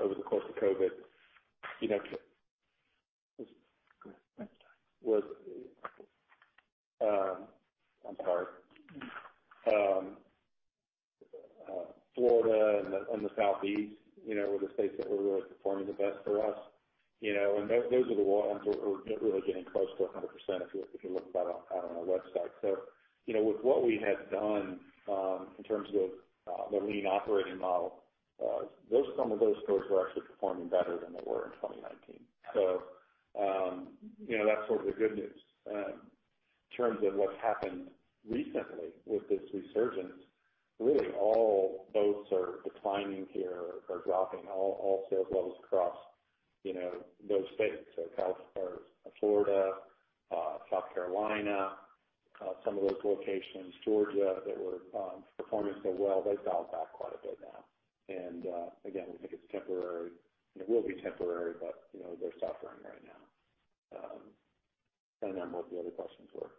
over the course of COVID. I'm sorry. Florida and the Southeast were the states that were really performing the best for us. And those are the ones who are really getting close to 100%, if you look at it on our website. With what we had done in terms of the lean operating model, some of those stores were actually performing better than they were in 2019. That's sort of the good news. In terms of what's happened recently with this resurgence, really all boats are declining here, are dropping. All sales levels across those states. Florida, South Carolina, some of those locations, Georgia, that were performing so well, they've dialed back quite a bit now. Again, we think it's temporary, and it will be temporary, but they're suffering right now. I don't know what the other questions were.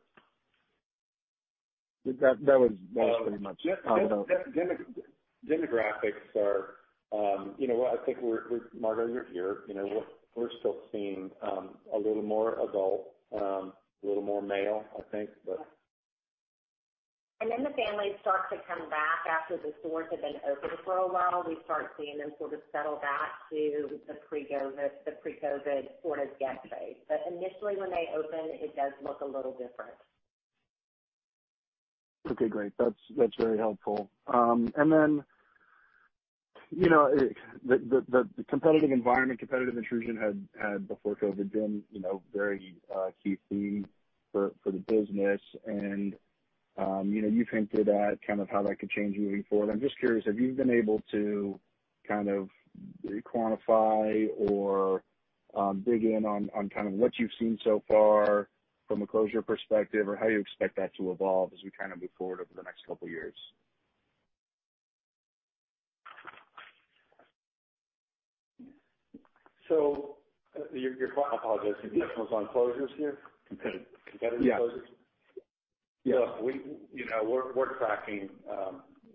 That was pretty much all of them. Demographics are Margo, you're here. We're still seeing a little more adult, little more male, I think, but. The families start to come back after the stores have been open for a while. We start seeing them sort of settle back to the pre-COVID sort of guest base. Initially, when they open, it does look a little different. Okay, great. That's very helpful. The competitive environment, competitive intrusion had, before COVID, been very key for the business. You hinted at kind of how that could change moving forward. I'm just curious, have you been able to kind of quantify or dig in on what you've seen so far from a closure perspective, or how you expect that to evolve as we move forward over the next couple of years? I apologize. The question was on closures here? Competitive. Competitive closures? Yeah. Look, we're tracking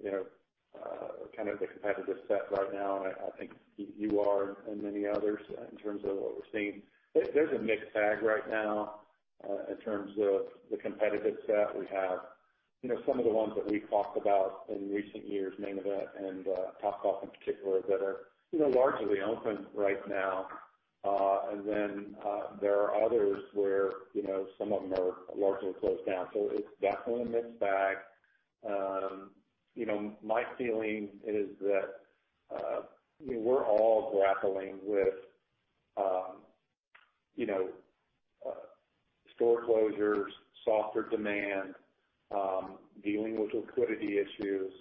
the competitive set right now, and I think you are and many others, in terms of what we're seeing. There's a mixed bag right now in terms of the competitive set we have. Some of the ones that we talked about in recent years, Main Event and Topgolf in particular, that are largely open right now. There are others where some of them are largely closed down. It's definitely a mixed bag. My feeling is that we're all grappling with store closures, softer demand, dealing with liquidity issues.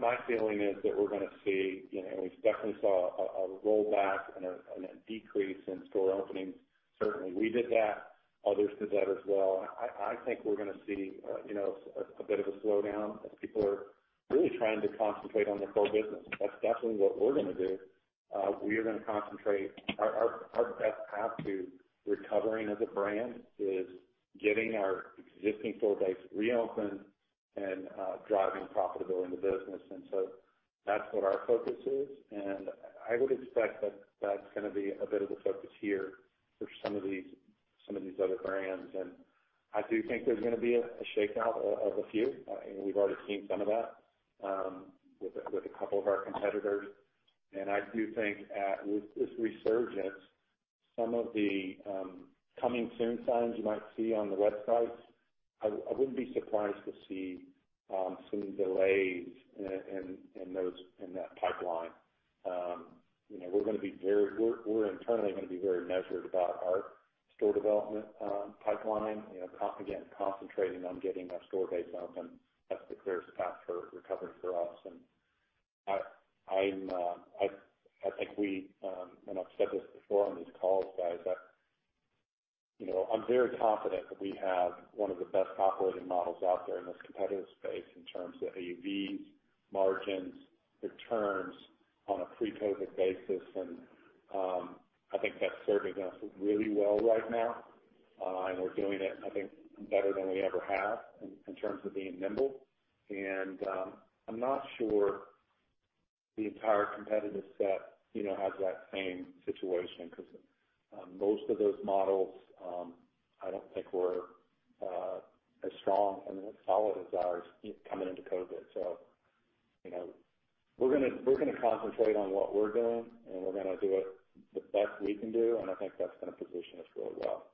My feeling is that We definitely saw a rollback and a decrease in store openings. Certainly, we did that. Others did that as well. I think we're going to see a bit of a slowdown as people are really trying to concentrate on their core business. That's definitely what we're going to do. We are going to concentrate our best path to recovering as a brand is getting our existing store base reopened and driving profitability in the business. That's what our focus is, and I would expect that's going to be a bit of a focus here for some of these other brands. I do think there's going to be a shakeout of a few. We've already seen some of that with a couple of our competitors. I do think that with this resurgence, some of the coming soon signs you might see on the websites, I wouldn't be surprised to see some delays in that pipeline. We're internally going to be very measured about our store development pipeline. Again, concentrating on getting our store base open. That's the clearest path for recovery for us. I think we, and I've said this before on these calls, guys, I'm very confident that we have one of the best operating models out there in this competitive space in terms of AUVs, margins, returns on a pre-COVID basis. I think that's serving us really well right now. We're doing it, I think, better than we ever have in terms of being nimble. I'm not sure the entire competitive set has that same situation, because most of those models, I don't think were as strong and as solid as ours coming into COVID. We're going to concentrate on what we're doing, and we're going to do it the best we can do, and I think that's going to position us really well.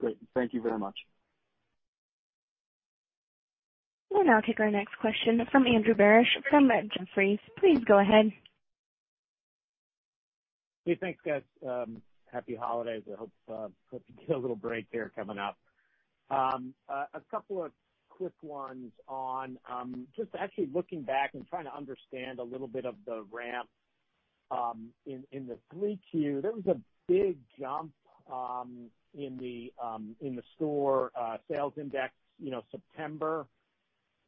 Great. Thank you very much. We'll now take our next question from Andrew Barish from Jefferies. Please go ahead. Hey, thanks guys. Happy holidays. I hope you get a little break there coming up. A couple of quick ones on just actually looking back and trying to understand a little bit of the ramp in the 3Q. There was a big jump in the store sales index September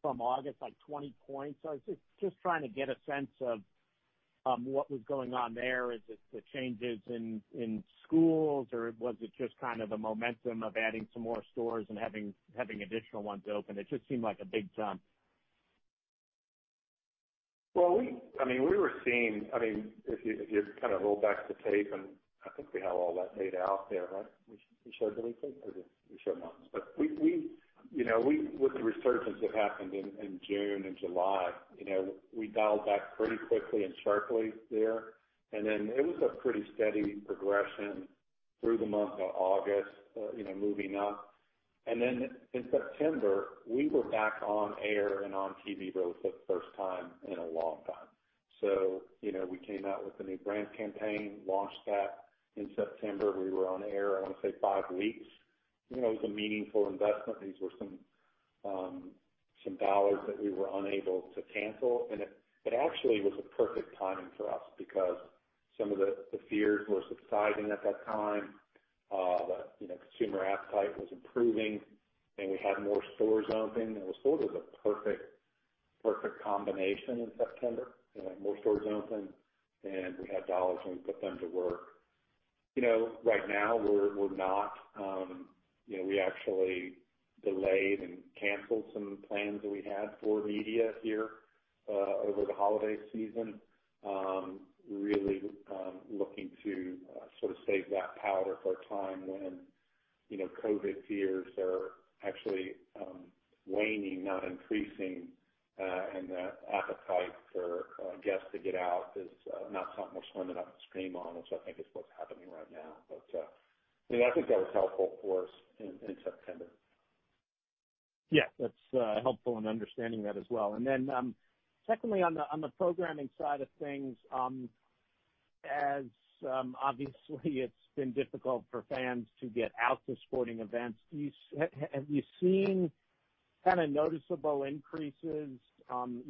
from August, like 20 points. I was just trying to get a sense of what was going on there. Is it the changes in schools, or was it just kind of the momentum of adding some more stores and having additional ones open? It just seemed like a big jump. We were seeing, if you roll back the tape, I think we have all that data out there, right? We showed, did we think, or did we show not? With the resurgence that happened in June and July, we dialed back pretty quickly and sharply there. It was a pretty steady progression through the month of August, moving up. In September, we were back on air and on TV both for the first time in a long time. We came out with a new brand campaign, launched that in September. We were on air, I want to say, five weeks. It was a meaningful investment. These were some dollars that we were unable to cancel. It actually was a perfect timing for us because some of the fears were subsiding at that time. The consumer appetite was improving, we had more stores opening. It was sort of a perfect combination in September. We had more stores open, we had dollars, and we put them to work. Right now, we actually delayed and canceled some plans that we had for media here over the holiday season. Really looking to save that powder for a time when COVID fears are actually waning, not increasing, and the appetite for guests to get out is not something we're swimming upstream on, which I think is what's happening right now. I think that was helpful for us in September. Yeah. That's helpful in understanding that as well. Then, secondly, on the programming side of things, as obviously it's been difficult for fans to get out to sporting events, have you seen noticeable increases on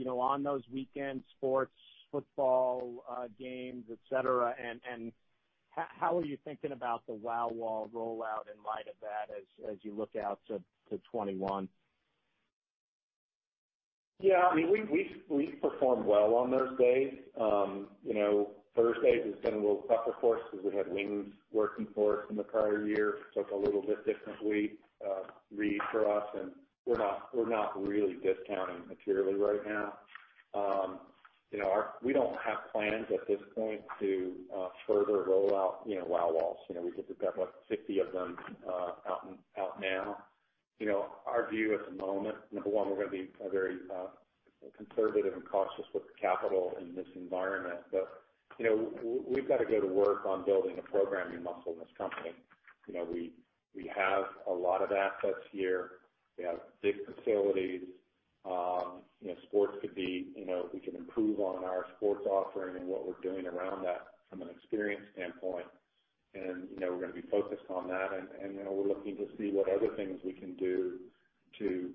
those weekend sports, football games, et cetera? How are you thinking about the WOW Wall rollout in light of that as you look out to 2021? Yeah. We performed well on those days. Thursdays has been a little tougher for us because we had wings working for us in the prior year. It's a little bit different week read for us, and we're not really discounting materially right now. We don't have plans at this point to further roll out WOW Walls. We think we've got, what, 60 of them out now. Our view at the moment, number one, we're going to be very conservative and cautious with the capital in this environment. We've got to go to work on building a programming muscle in this company. We have a lot of assets here. We have big facilities. We can improve on our sports offering and what we're doing around that from an experience standpoint. We're going to be focused on that, and we're looking to see what other things we can do to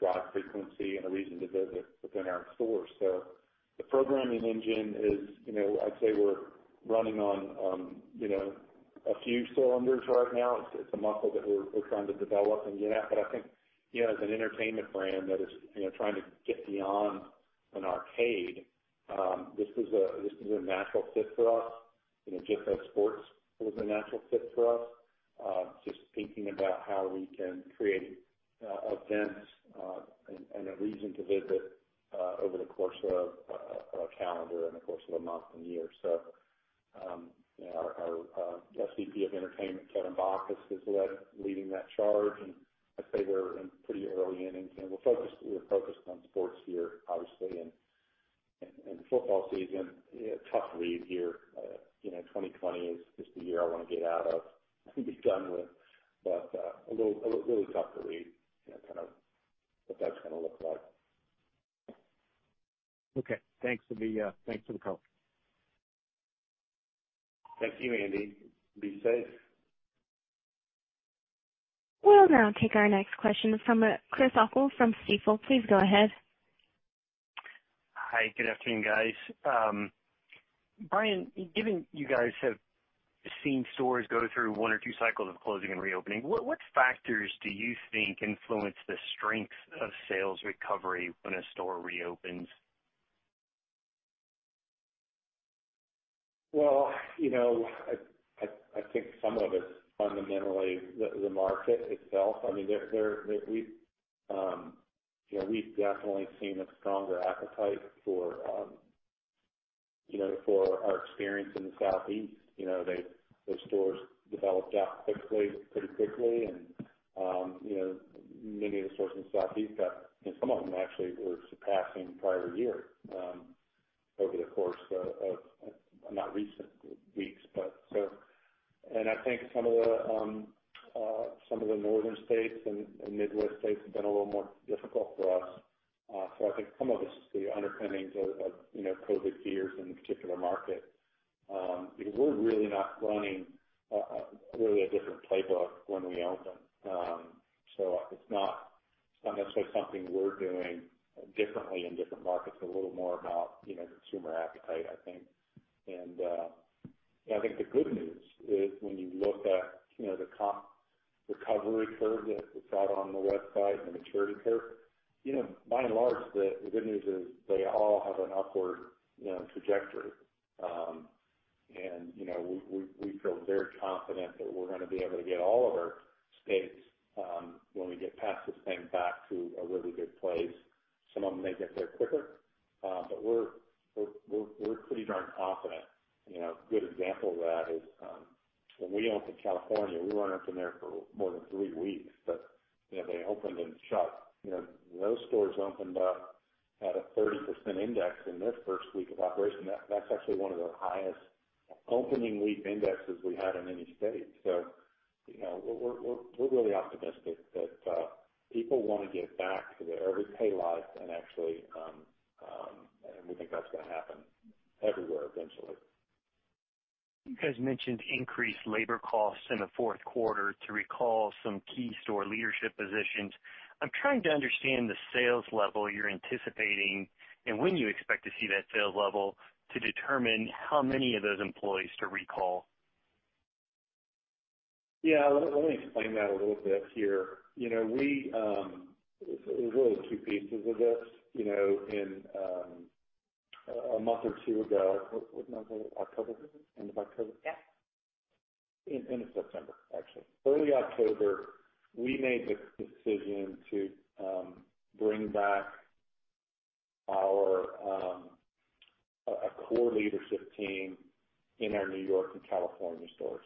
drive frequency and a reason to visit within our stores. The programming engine is, I'd say we're running on a few cylinders right now. It's a muscle that we're trying to develop and get at. I think as an entertainment brand that is trying to get beyond an arcade, this is a natural fit for us. Just like sports was a natural fit for us. Just thinking about how we can create events, and a reason to visit, over the course of a calendar and the course of a month and year. Our SVP of Entertainment, Kevin Bachus, is leading that charge, and I'd say we're in pretty early innings. We're focused on sports here, obviously, football season, a tough read here. 2020 is just a year I want to get out of and be done with. A little really tough to read, kind of what that's going to look like. Okay. Thanks for the color. Thank you, Andy. Be safe. We'll now take our next question from Chris O'Cull from Stifel. Please go ahead. Hi. Good afternoon, guys. Brian, given you guys have seen stores go through one or two cycles of closing and reopening, what factors do you think influence the strength of sales recovery when a store reopens? Well, I think some of it's fundamentally the market itself. We've definitely seen a stronger appetite for our experience in the Southeast, those stores developed out quickly, pretty quickly, and many of the stores in the Southeast some of them actually were surpassing prior year over the course of, not recent weeks. I think some of the northern states and Midwest states have been a little more difficult for us. I think some of this is the underpinnings of COVID fears in the particular market. We're really not running really a different playbook when we open. It's not necessarily something we're doing differently in different markets. It's a little more about consumer appetite, I think. I think the good news is when you look at the comp recovery curve that we've got on the website and the maturity curve, by and large, the good news is they all have an upward trajectory. We feel very confident that we're going to be able to get all of our states, when we get past this thing, back to a really good place. Some of them may get there quicker. We're pretty darn confident. A good example of that is when we opened California, we weren't open there for more than three weeks, but they opened and shut. Those stores opened up at a 30% index in their first week of operation. That's actually one of the highest opening week indexes we had in any state. We're really optimistic that people want to get back to their everyday life and actually, we think that's going to happen everywhere eventually. You guys mentioned increased labor costs in the fourth quarter to recall some key store leadership positions. I'm trying to understand the sales level you're anticipating and when you expect to see that sales level to determine how many of those employees to recall. Yeah. Let me explain that a little bit here. There's really two pieces of this. In a month or two ago, what month was it? October? End of October? Yeah. End of September, actually. Early October, we made the decision to bring back a core leadership team in our New York and California stores.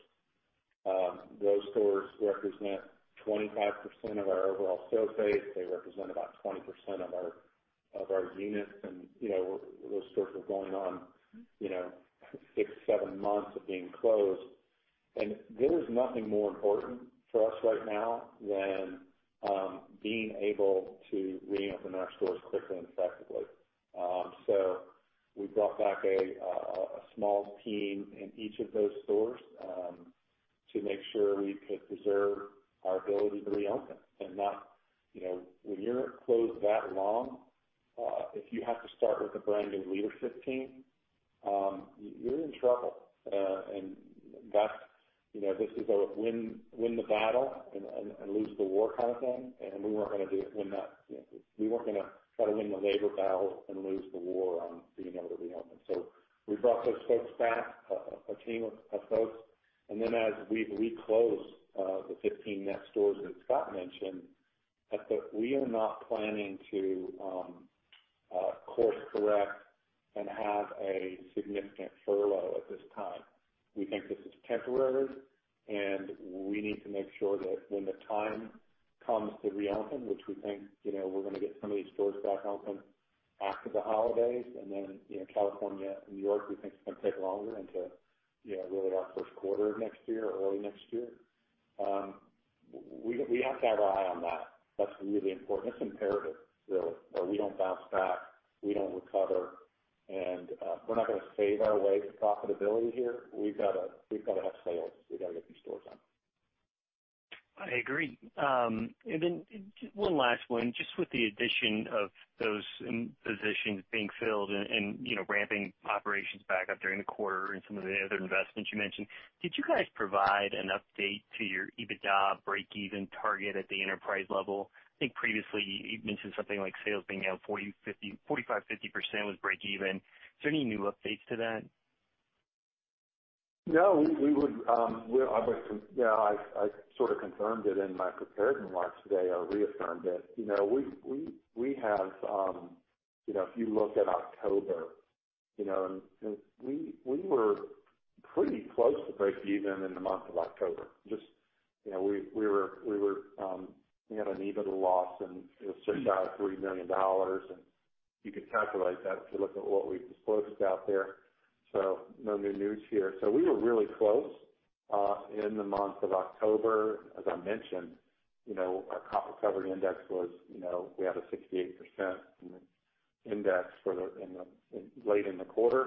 Those stores represent 25% of our overall sales base. They represent about 20% of our units, and those stores were going on six, seven months of being closed. There is nothing more important for us right now than being able to reopen our stores quickly and effectively. We brought back a small team in each of those stores to make sure we could preserve our ability to reopen. When you're closed that long, if you have to start with a brand new leadership team, you're in trouble. This is a win the battle and lose the war kind of thing, and we weren't going to try to win the labor battle and lose the war on being able to reopen. We brought those folks back, a team of folks. As we reclose the 15 net stores that Scott mentioned, we are not planning to course correct and have a significant furlough at this time. We think this is temporary, and we need to make sure that when the time comes to reopen, which we think we're going to get some of these stores back open after the holidays, and then, California and New York, we think is going to take longer into really our first quarter of next year, early next year. We have to have our eye on that. That's really important. It's imperative, really, or we don't bounce back, we don't recover. We're not going to save our way to profitability here. We've got to have sales. We've got to get these stores open. I agree. Then one last one, just with the addition of those positions being filled and ramping operations back up during the quarter and some of the other investments you mentioned, did you guys provide an update to your EBITDA breakeven target at the enterprise level? I think previously you mentioned something like sales being down 45%, 50% was breakeven. Is there any new updates to that? No. I sort of confirmed it in my prepared remarks today, or reaffirmed it. If you look at October, we were pretty close to breakeven in the month of October. We had an EBITDA loss and it was just of $3 million. You could calculate that if you look at what we've disclosed out there. No new news here. We were really close in the month of October. As I mentioned, our comp recovery index, we had a 68% index late in the quarter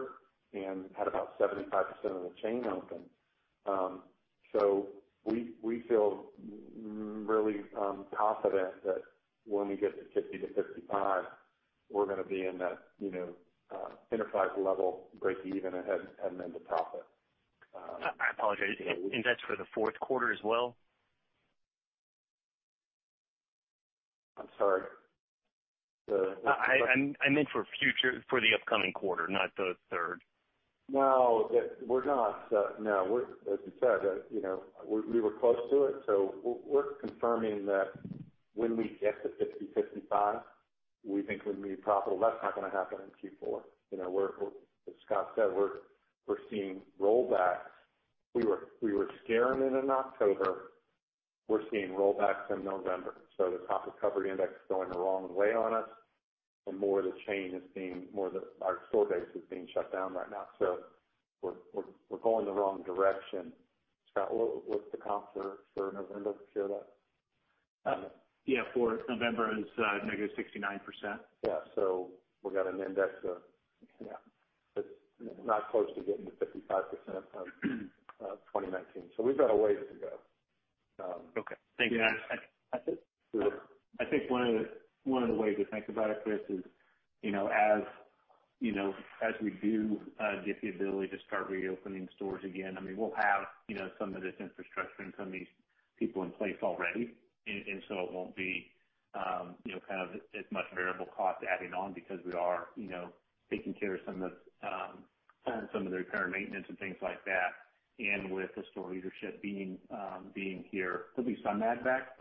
and had about 75% of the chain open. We feel really confident that when we get to 50%-55%, we're going to be in that enterprise level breakeven and then to profit. I apologize. Index for the fourth quarter as well? I'm sorry. I meant for the upcoming quarter, not the third. No. We're not. No. As you said, we were close to it. We're confirming that. When we get to 50%, 55%, we think we'll be profitable. That's not going to happen in Q4. As Scott said, we're seeing rollbacks. We were seeing it in October. We're seeing rollbacks in November. The comp recovery index is going the wrong way on us, and Our store base is being shut down right now. We're going the wrong direction. Scott, what's the comps for November to share that? For November is -69%. Yeah. That's not close to getting to 55% of 2019. We've got a ways to go. Okay. Thank you. Yeah. That's it. Sure. I think one of the ways to think about it, Chris, is as we do get the ability to start reopening stores again, we'll have some of this infrastructure and some of these people in place already. So it won't be as much variable cost adding on because we are taking care of some of the repair and maintenance and things like that, and with the store leadership being here. There'll be some add back.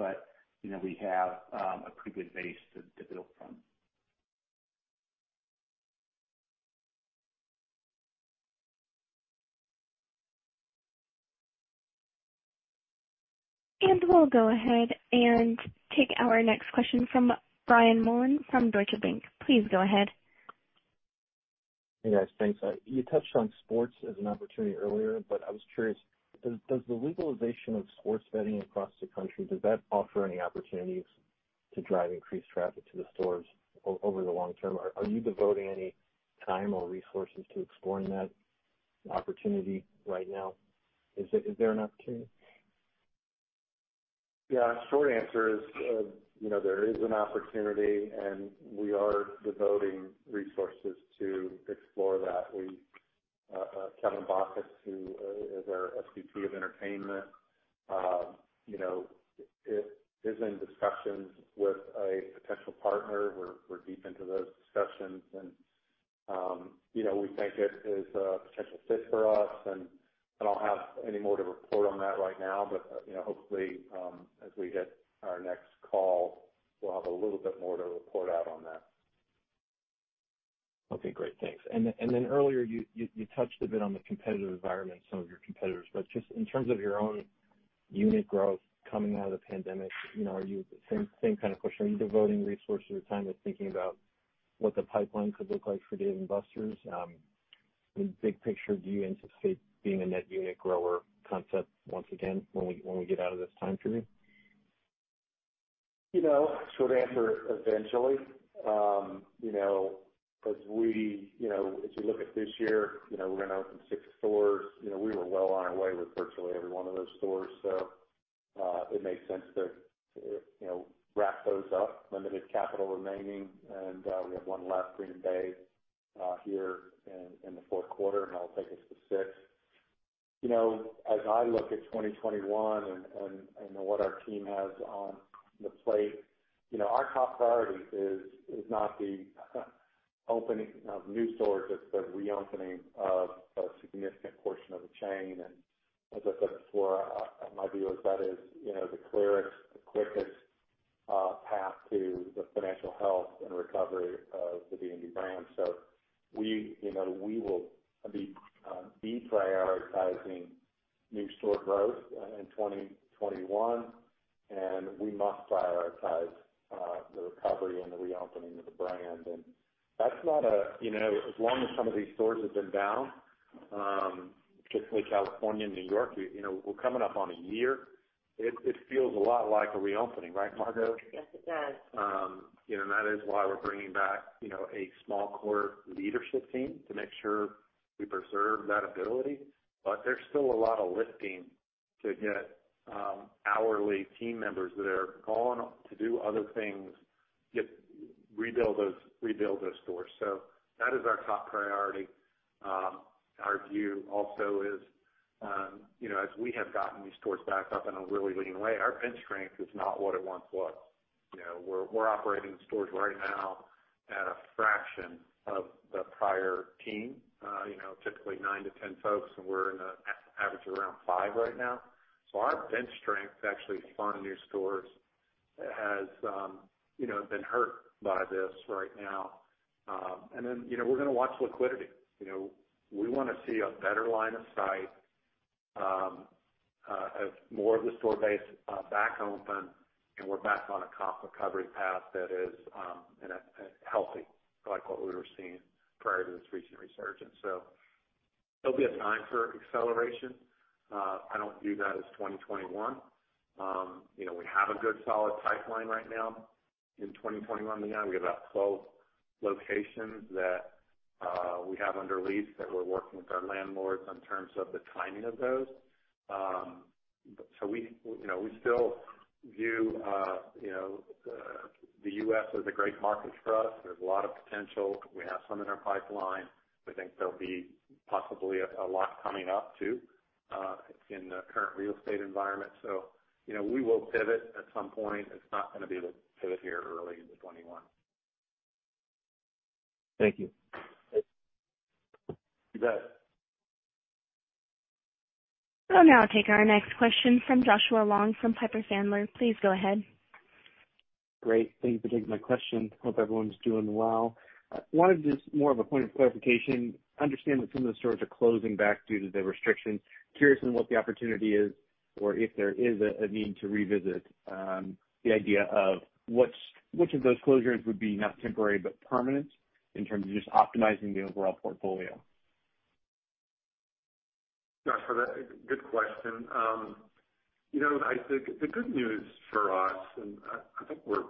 We have a pretty good base to build from. We'll go ahead and take our next question from Brian Mullan from Deutsche Bank. Please go ahead. Hey, guys. Thanks. You touched on sports as an opportunity earlier, but I was curious, does the legalization of sports betting across the country, does that offer any opportunities to drive increased traffic to the stores over the long term? Are you devoting any time or resources to exploring that opportunity right now? Is there an opportunity? Yeah. Short answer is, there is an opportunity, and we are devoting resources to explore that. Kevin Bachus, who is our SVP of Entertainment, is in discussions with a potential partner. We're deep into those discussions and we think it is a potential fit for us. I don't have any more to report on that right now, but hopefully, as we hit our next call, we'll have a little bit more to report out on that. Okay, great. Thanks. Then earlier, you touched a bit on the competitive environment and some of your competitors, but just in terms of your own unit growth coming out of the pandemic, same kind of question. Are you devoting resources or time to thinking about what the pipeline could look like for Dave & Buster's? Big picture, do you anticipate being a net unit grower concept once again when we get out of this time period? Short answer, eventually. As you look at this year, we're going to open six stores. We were well on our way with virtually every one of those stores. It made sense to wrap those up, limited capital remaining, and we have one left, Green Bay, here in the fourth quarter, and that'll take us to six. As I look at 2021 and what our team has on the plate, our top priority is not the opening of new stores, it's the reopening of a significant portion of the chain. As I said before, my view is that is the clearest, the quickest path to the financial health and recovery of the D&B brand. We will be deprioritizing new store growth in 2021, and we must prioritize the recovery and the reopening of the brand. As long as some of these stores have been down, particularly California and New York, we're coming up on a year. It feels a lot like a reopening, right, Margo? Yes, it does. That is why we're bringing back a small core leadership team to make sure we preserve that ability. There's still a lot of lifting to get hourly team members that are gone to do other things, rebuild those stores. That is our top priority. Our view also is as we have gotten these stores back up in a really lean way, our bench strength is not what it once was. We're operating stores right now at a fraction of the prior team, typically 9-10 folks, and we're in the average around five right now. Our bench strength to actually fund new stores has been hurt by this right now. Then, we're going to watch liquidity. We want to see a better line of sight as more of the store base back open, and we're back on a comp recovery path that is healthy, like what we were seeing prior to this recent resurgence. There'll be a time for acceleration. I don't view that as 2021. We have a good, solid pipeline right now in 2021. Again, we have about 12 locations that we have under lease that we're working with our landlords on terms of the timing of those. We still view the U.S. as a great market for us. There's a lot of potential. We have some in our pipeline. We think there'll be possibly a lot coming up too in the current real estate environment. We will pivot at some point. It's not going to be the pivot here early in the 2021. Thank you. You bet. We'll now take our next question from Joshua Long from Piper Sandler. Please go ahead. Great. Thank you for taking my question. Hope everyone's doing well. One of just more of a point of clarification, understand that some of the stores are closing back due to the restrictions. Curious on what the opportunity is or if there is a need to revisit the idea of which of those closures would be not temporary but permanent in terms of just optimizing the overall portfolio. Joshua, good question. I think the good news for us, and I think we're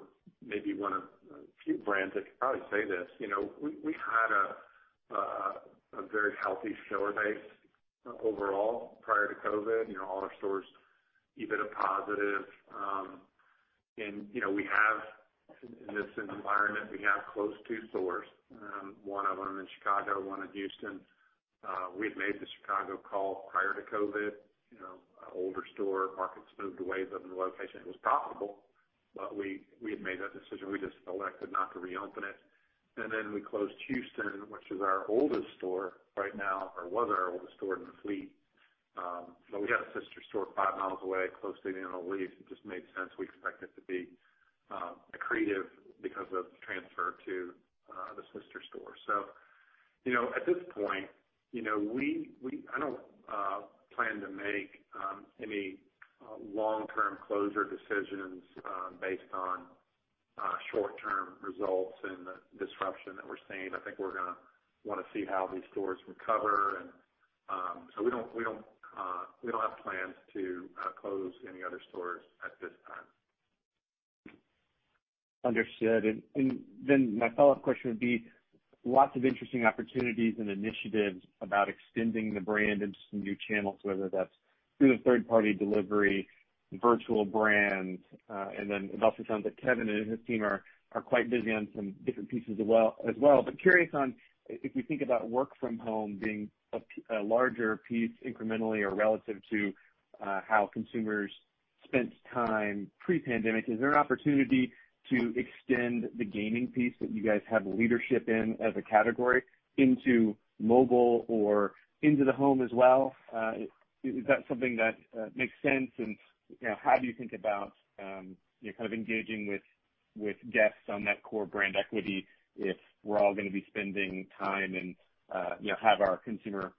maybe one of a few brands that could probably say this, we had a very healthy store base overall prior to COVID. All our stores, EBITDA positive. In this environment, we have closed two stores, one of them in Chicago, one in Houston. We had made the Chicago call prior to COVID. An older store. Markets moved away from the location. It was profitable, but we had made that decision. We just elected not to reopen it. We closed Houston, which is our oldest store right now, or was our oldest store in the fleet. We got a sister store five miles away, close to the Inner Loop. It just made sense. We expect it to be accretive because of the transfer to the sister store. At this point, I don't plan to make any long-term closure decisions based on short-term results and the disruption that we're seeing. I think we're going to want to see how these stores recover. We don't have plans to close any other stores at this time. Understood. My follow-up question would be, lots of interesting opportunities and initiatives about extending the brand into some new channels, whether that's through the third-party delivery, virtual brands. It also sounds like Kevin and his team are quite busy on some different pieces as well. Curious on if you think about work from home being a larger piece incrementally or relative to how consumers spent time pre-pandemic, is there an opportunity to extend the gaming piece that you guys have leadership in as a category into mobile or into the home as well? Is that something that makes sense? How do you think about kind of engaging with guests on that core brand equity if we're all going to be spending time and have our consumer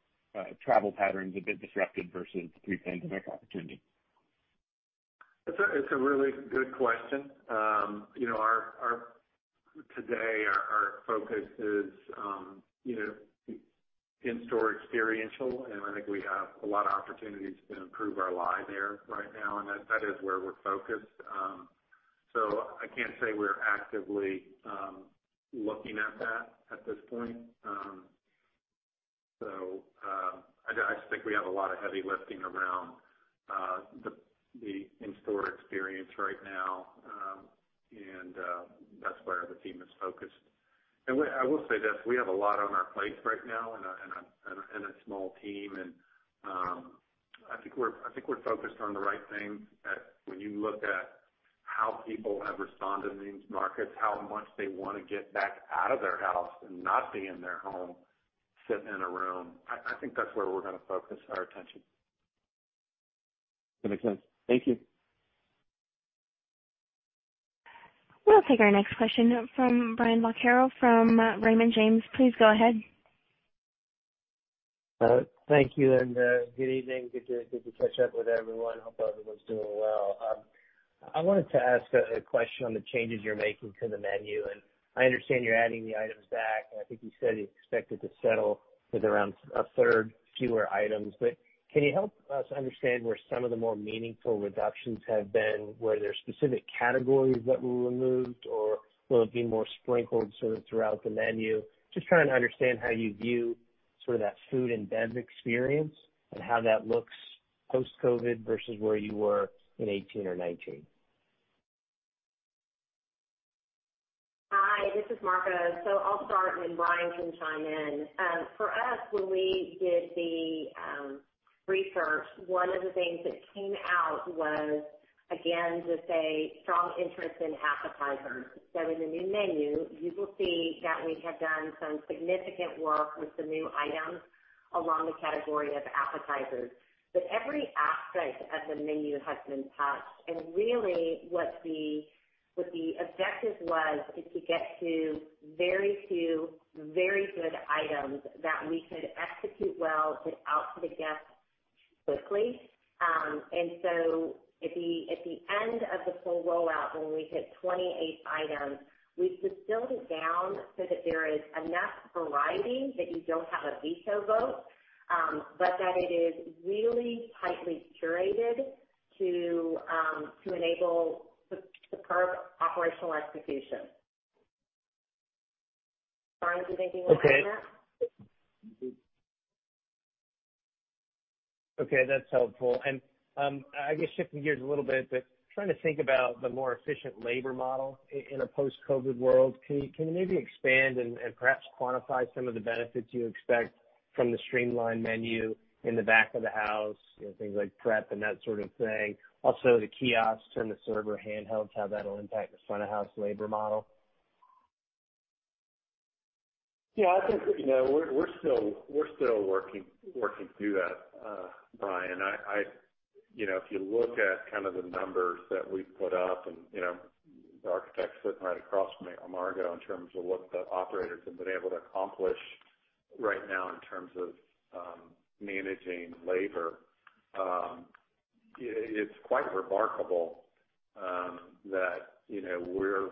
travel patterns a bit disrupted versus pre-pandemic opportunity? It's a really good question. Today, our focus is in-store experiential, and I think we have a lot of opportunities to improve our lives there right now, and that is where we're focused. I can't say we're actively looking at that at this point. I just think we have a lot of heavy lifting around the in-store experience right now, and that's where the team is focused. I will say this, we have a lot on our plates right now and a small team, and I think we're focused on the right things. When you look at how people have responded in these markets, how much they want to get back out of their house and not be in their home sitting in a room, I think that's where we're going to focus our attention. That makes sense. Thank you. We'll take our next question from Brian Vaccaro from Raymond James. Please go ahead. Thank you, and good evening. Good to catch up with everyone. Hope everyone's doing well. I wanted to ask a question on the changes you're making to the menu, and I understand you're adding the items back, and I think you said you expected to settle with around a third fewer items. Can you help us understand where some of the more meaningful reductions have been? Were there specific categories that were removed, or will it be more sprinkled sort of throughout the menu? Just trying to understand how you view sort of that food and bev experience and how that looks post-COVID versus where you were in 2018 or 2019. Hi, this is Margo. I'll start, and Brian can chime in. For us, when we did the research, one of the things that came out was, again, just a strong interest in appetizers. In the new menu, you will see that we have done some significant work with some new items along the category of appetizers. Every aspect of the menu has been touched. Really, what the objective was is to get to very few, very good items that we could execute well and out to the guest quickly. At the end of the full rollout, when we hit 28 items, we've distilled it down so that there is enough variety that you don't have a veto vote, but that it is really tightly curated to enable superb operational execution. Brian, do you have anything to add to that? Okay. That's helpful. I guess shifting gears a little bit, trying to think about the more efficient labor model in a post-COVID world. Can you maybe expand and perhaps quantify some of the benefits you expect from the streamlined menu in the back of the house, things like prep and that sort of thing? Also, the kiosks and the server handhelds, how that'll impact the front-of-house labor model. Yeah, I think we're still working through that, Brian. If you look at kind of the numbers that we've put up, and the architect's sitting right across from me, Margo, in terms of what the operators have been able to accomplish right now in terms of managing labor. It's quite remarkable that we're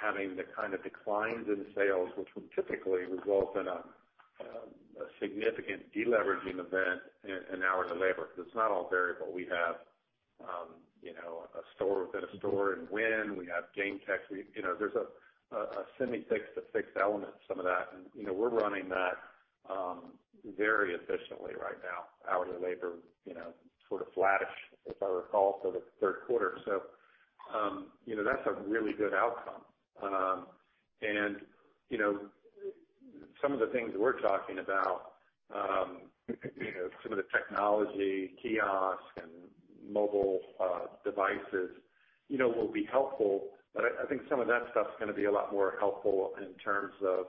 having the kind of declines in sales, which would typically result in a significant de-leveraging event in hourly labor, because it's not all variable. We have a store within a store in WIN!. We have game tech. There's a semi-fixed to fixed element, some of that. We're running that very efficiently right now. Hourly labor sort of flattish, if I recall, for the third quarter. That's a really good outcome. Some of the things we're talking about, some of the technology, kiosk, and mobile devices will be helpful, but I think some of that stuff's going to be a lot more helpful in terms of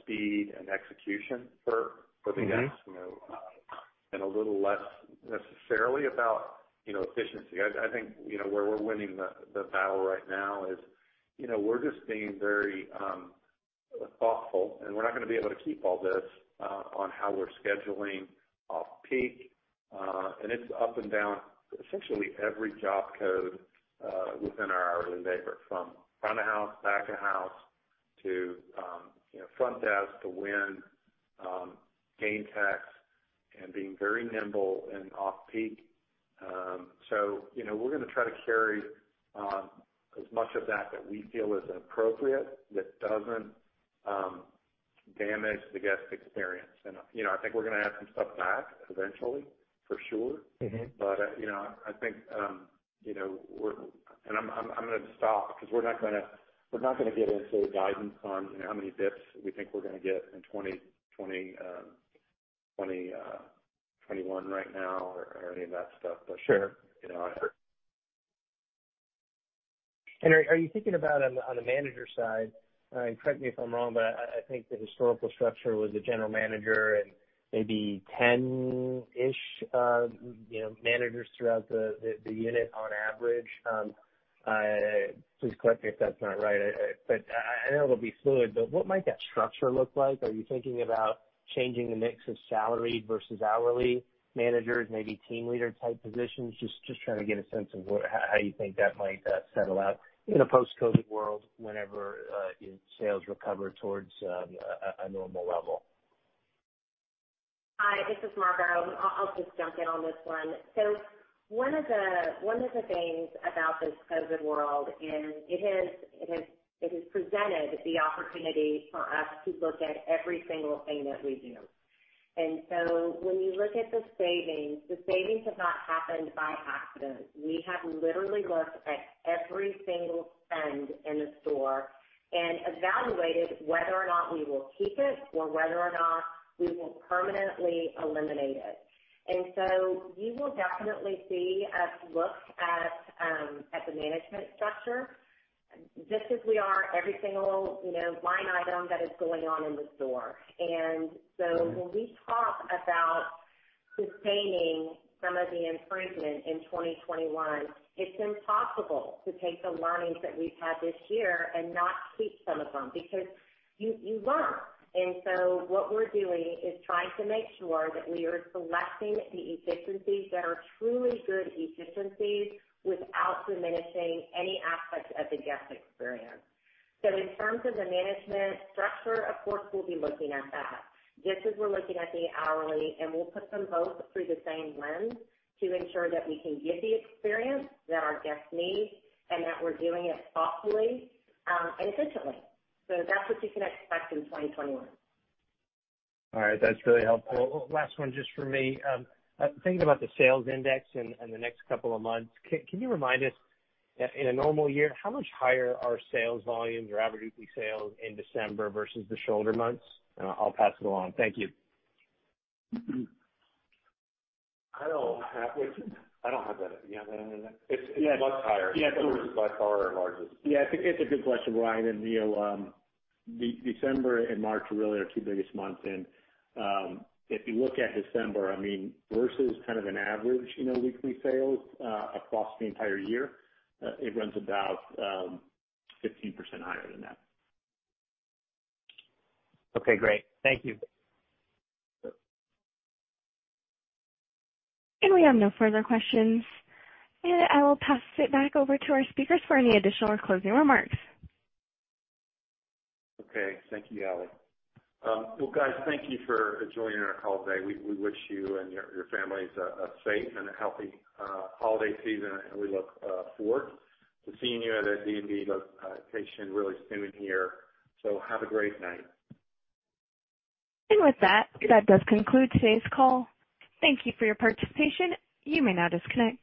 speed and execution for the guests. A little less necessarily about efficiency. I think where we're winning the battle right now is we're just being very thoughtful, and we're not going to be able to keep all this on how we're scheduling off-peak. It's up and down, essentially every job code within our hourly labor, from front of house, back of house, to front desk, to WIN!, game techs, and being very nimble and off peak. We're going to try to carry as much of that that we feel is appropriate, that doesn't damage the guest experience. I think we're going to add some stuff back eventually, for sure. I think, and I'm going to stop, because we're not going to get into guidance on how many bps we think we're going to get in 2021 right now or any of that stuff. Sure. Are you thinking about, on the manager side, and correct me if I'm wrong, but I think the historical structure was a general manager and maybe 10-ish managers throughout the unit on average. Please correct me if that's not right. I know it'll be fluid, but what might that structure look like? Are you thinking about changing the mix of salaried versus hourly managers, maybe team leader type positions? Just trying to get a sense of how you think that might settle out in a post-COVID world whenever your sales recover towards a normal level. Hi, this is Margo. I'll just jump in on this one. One of the things about this COVID world is it has presented the opportunity for us to look at every single thing that we do. When you look at the savings, the savings have not happened by accident. We have literally looked at every single spend in the store and evaluated whether or not we will keep it or whether or not we will permanently eliminate it. You will definitely see us look at the management structure just as we are every single line item that is going on in the store. When we talk about sustaining some of the improvements in 2021, it's impossible to take the learnings that we've had this year and not keep some of them, because you learn. What we're doing is trying to make sure that we are selecting the efficiencies that are truly good efficiencies without diminishing any aspects of the guest experience. In terms of the management structure, of course, we'll be looking at that just as we're looking at the hourly, and we'll put them both through the same lens to ensure that we can give the experience that our guests need and that we're doing it thoughtfully and efficiently. That's what you can expect in 2021. All right. That's really helpful. Last one, just for me. Thinking about the sales index in the next couple of months, can you remind us, in a normal year, how much higher are sales volumes or average weekly sales in December versus the shoulder months? I'll pass it along. Thank you. I don't have that. Do you have that? It's much higher. Yeah. December is by far our largest. Yeah, I think it's a good question, Brian. December and March really are our two biggest months. If you look at December, versus kind of an average weekly sales across the entire year, it runs about 15% higher than that. Okay, great. Thank you. We have no further questions. I will pass it back over to our speakers for any additional or closing remarks. Okay. Thank you, Ally. Well, guys, thank you for joining our call today. We wish you and your families a safe and a healthy holiday season, and we look forward to seeing you at a D&B location really soon here. Have a great night. With that does conclude today's call. Thank you for your participation. You may now disconnect.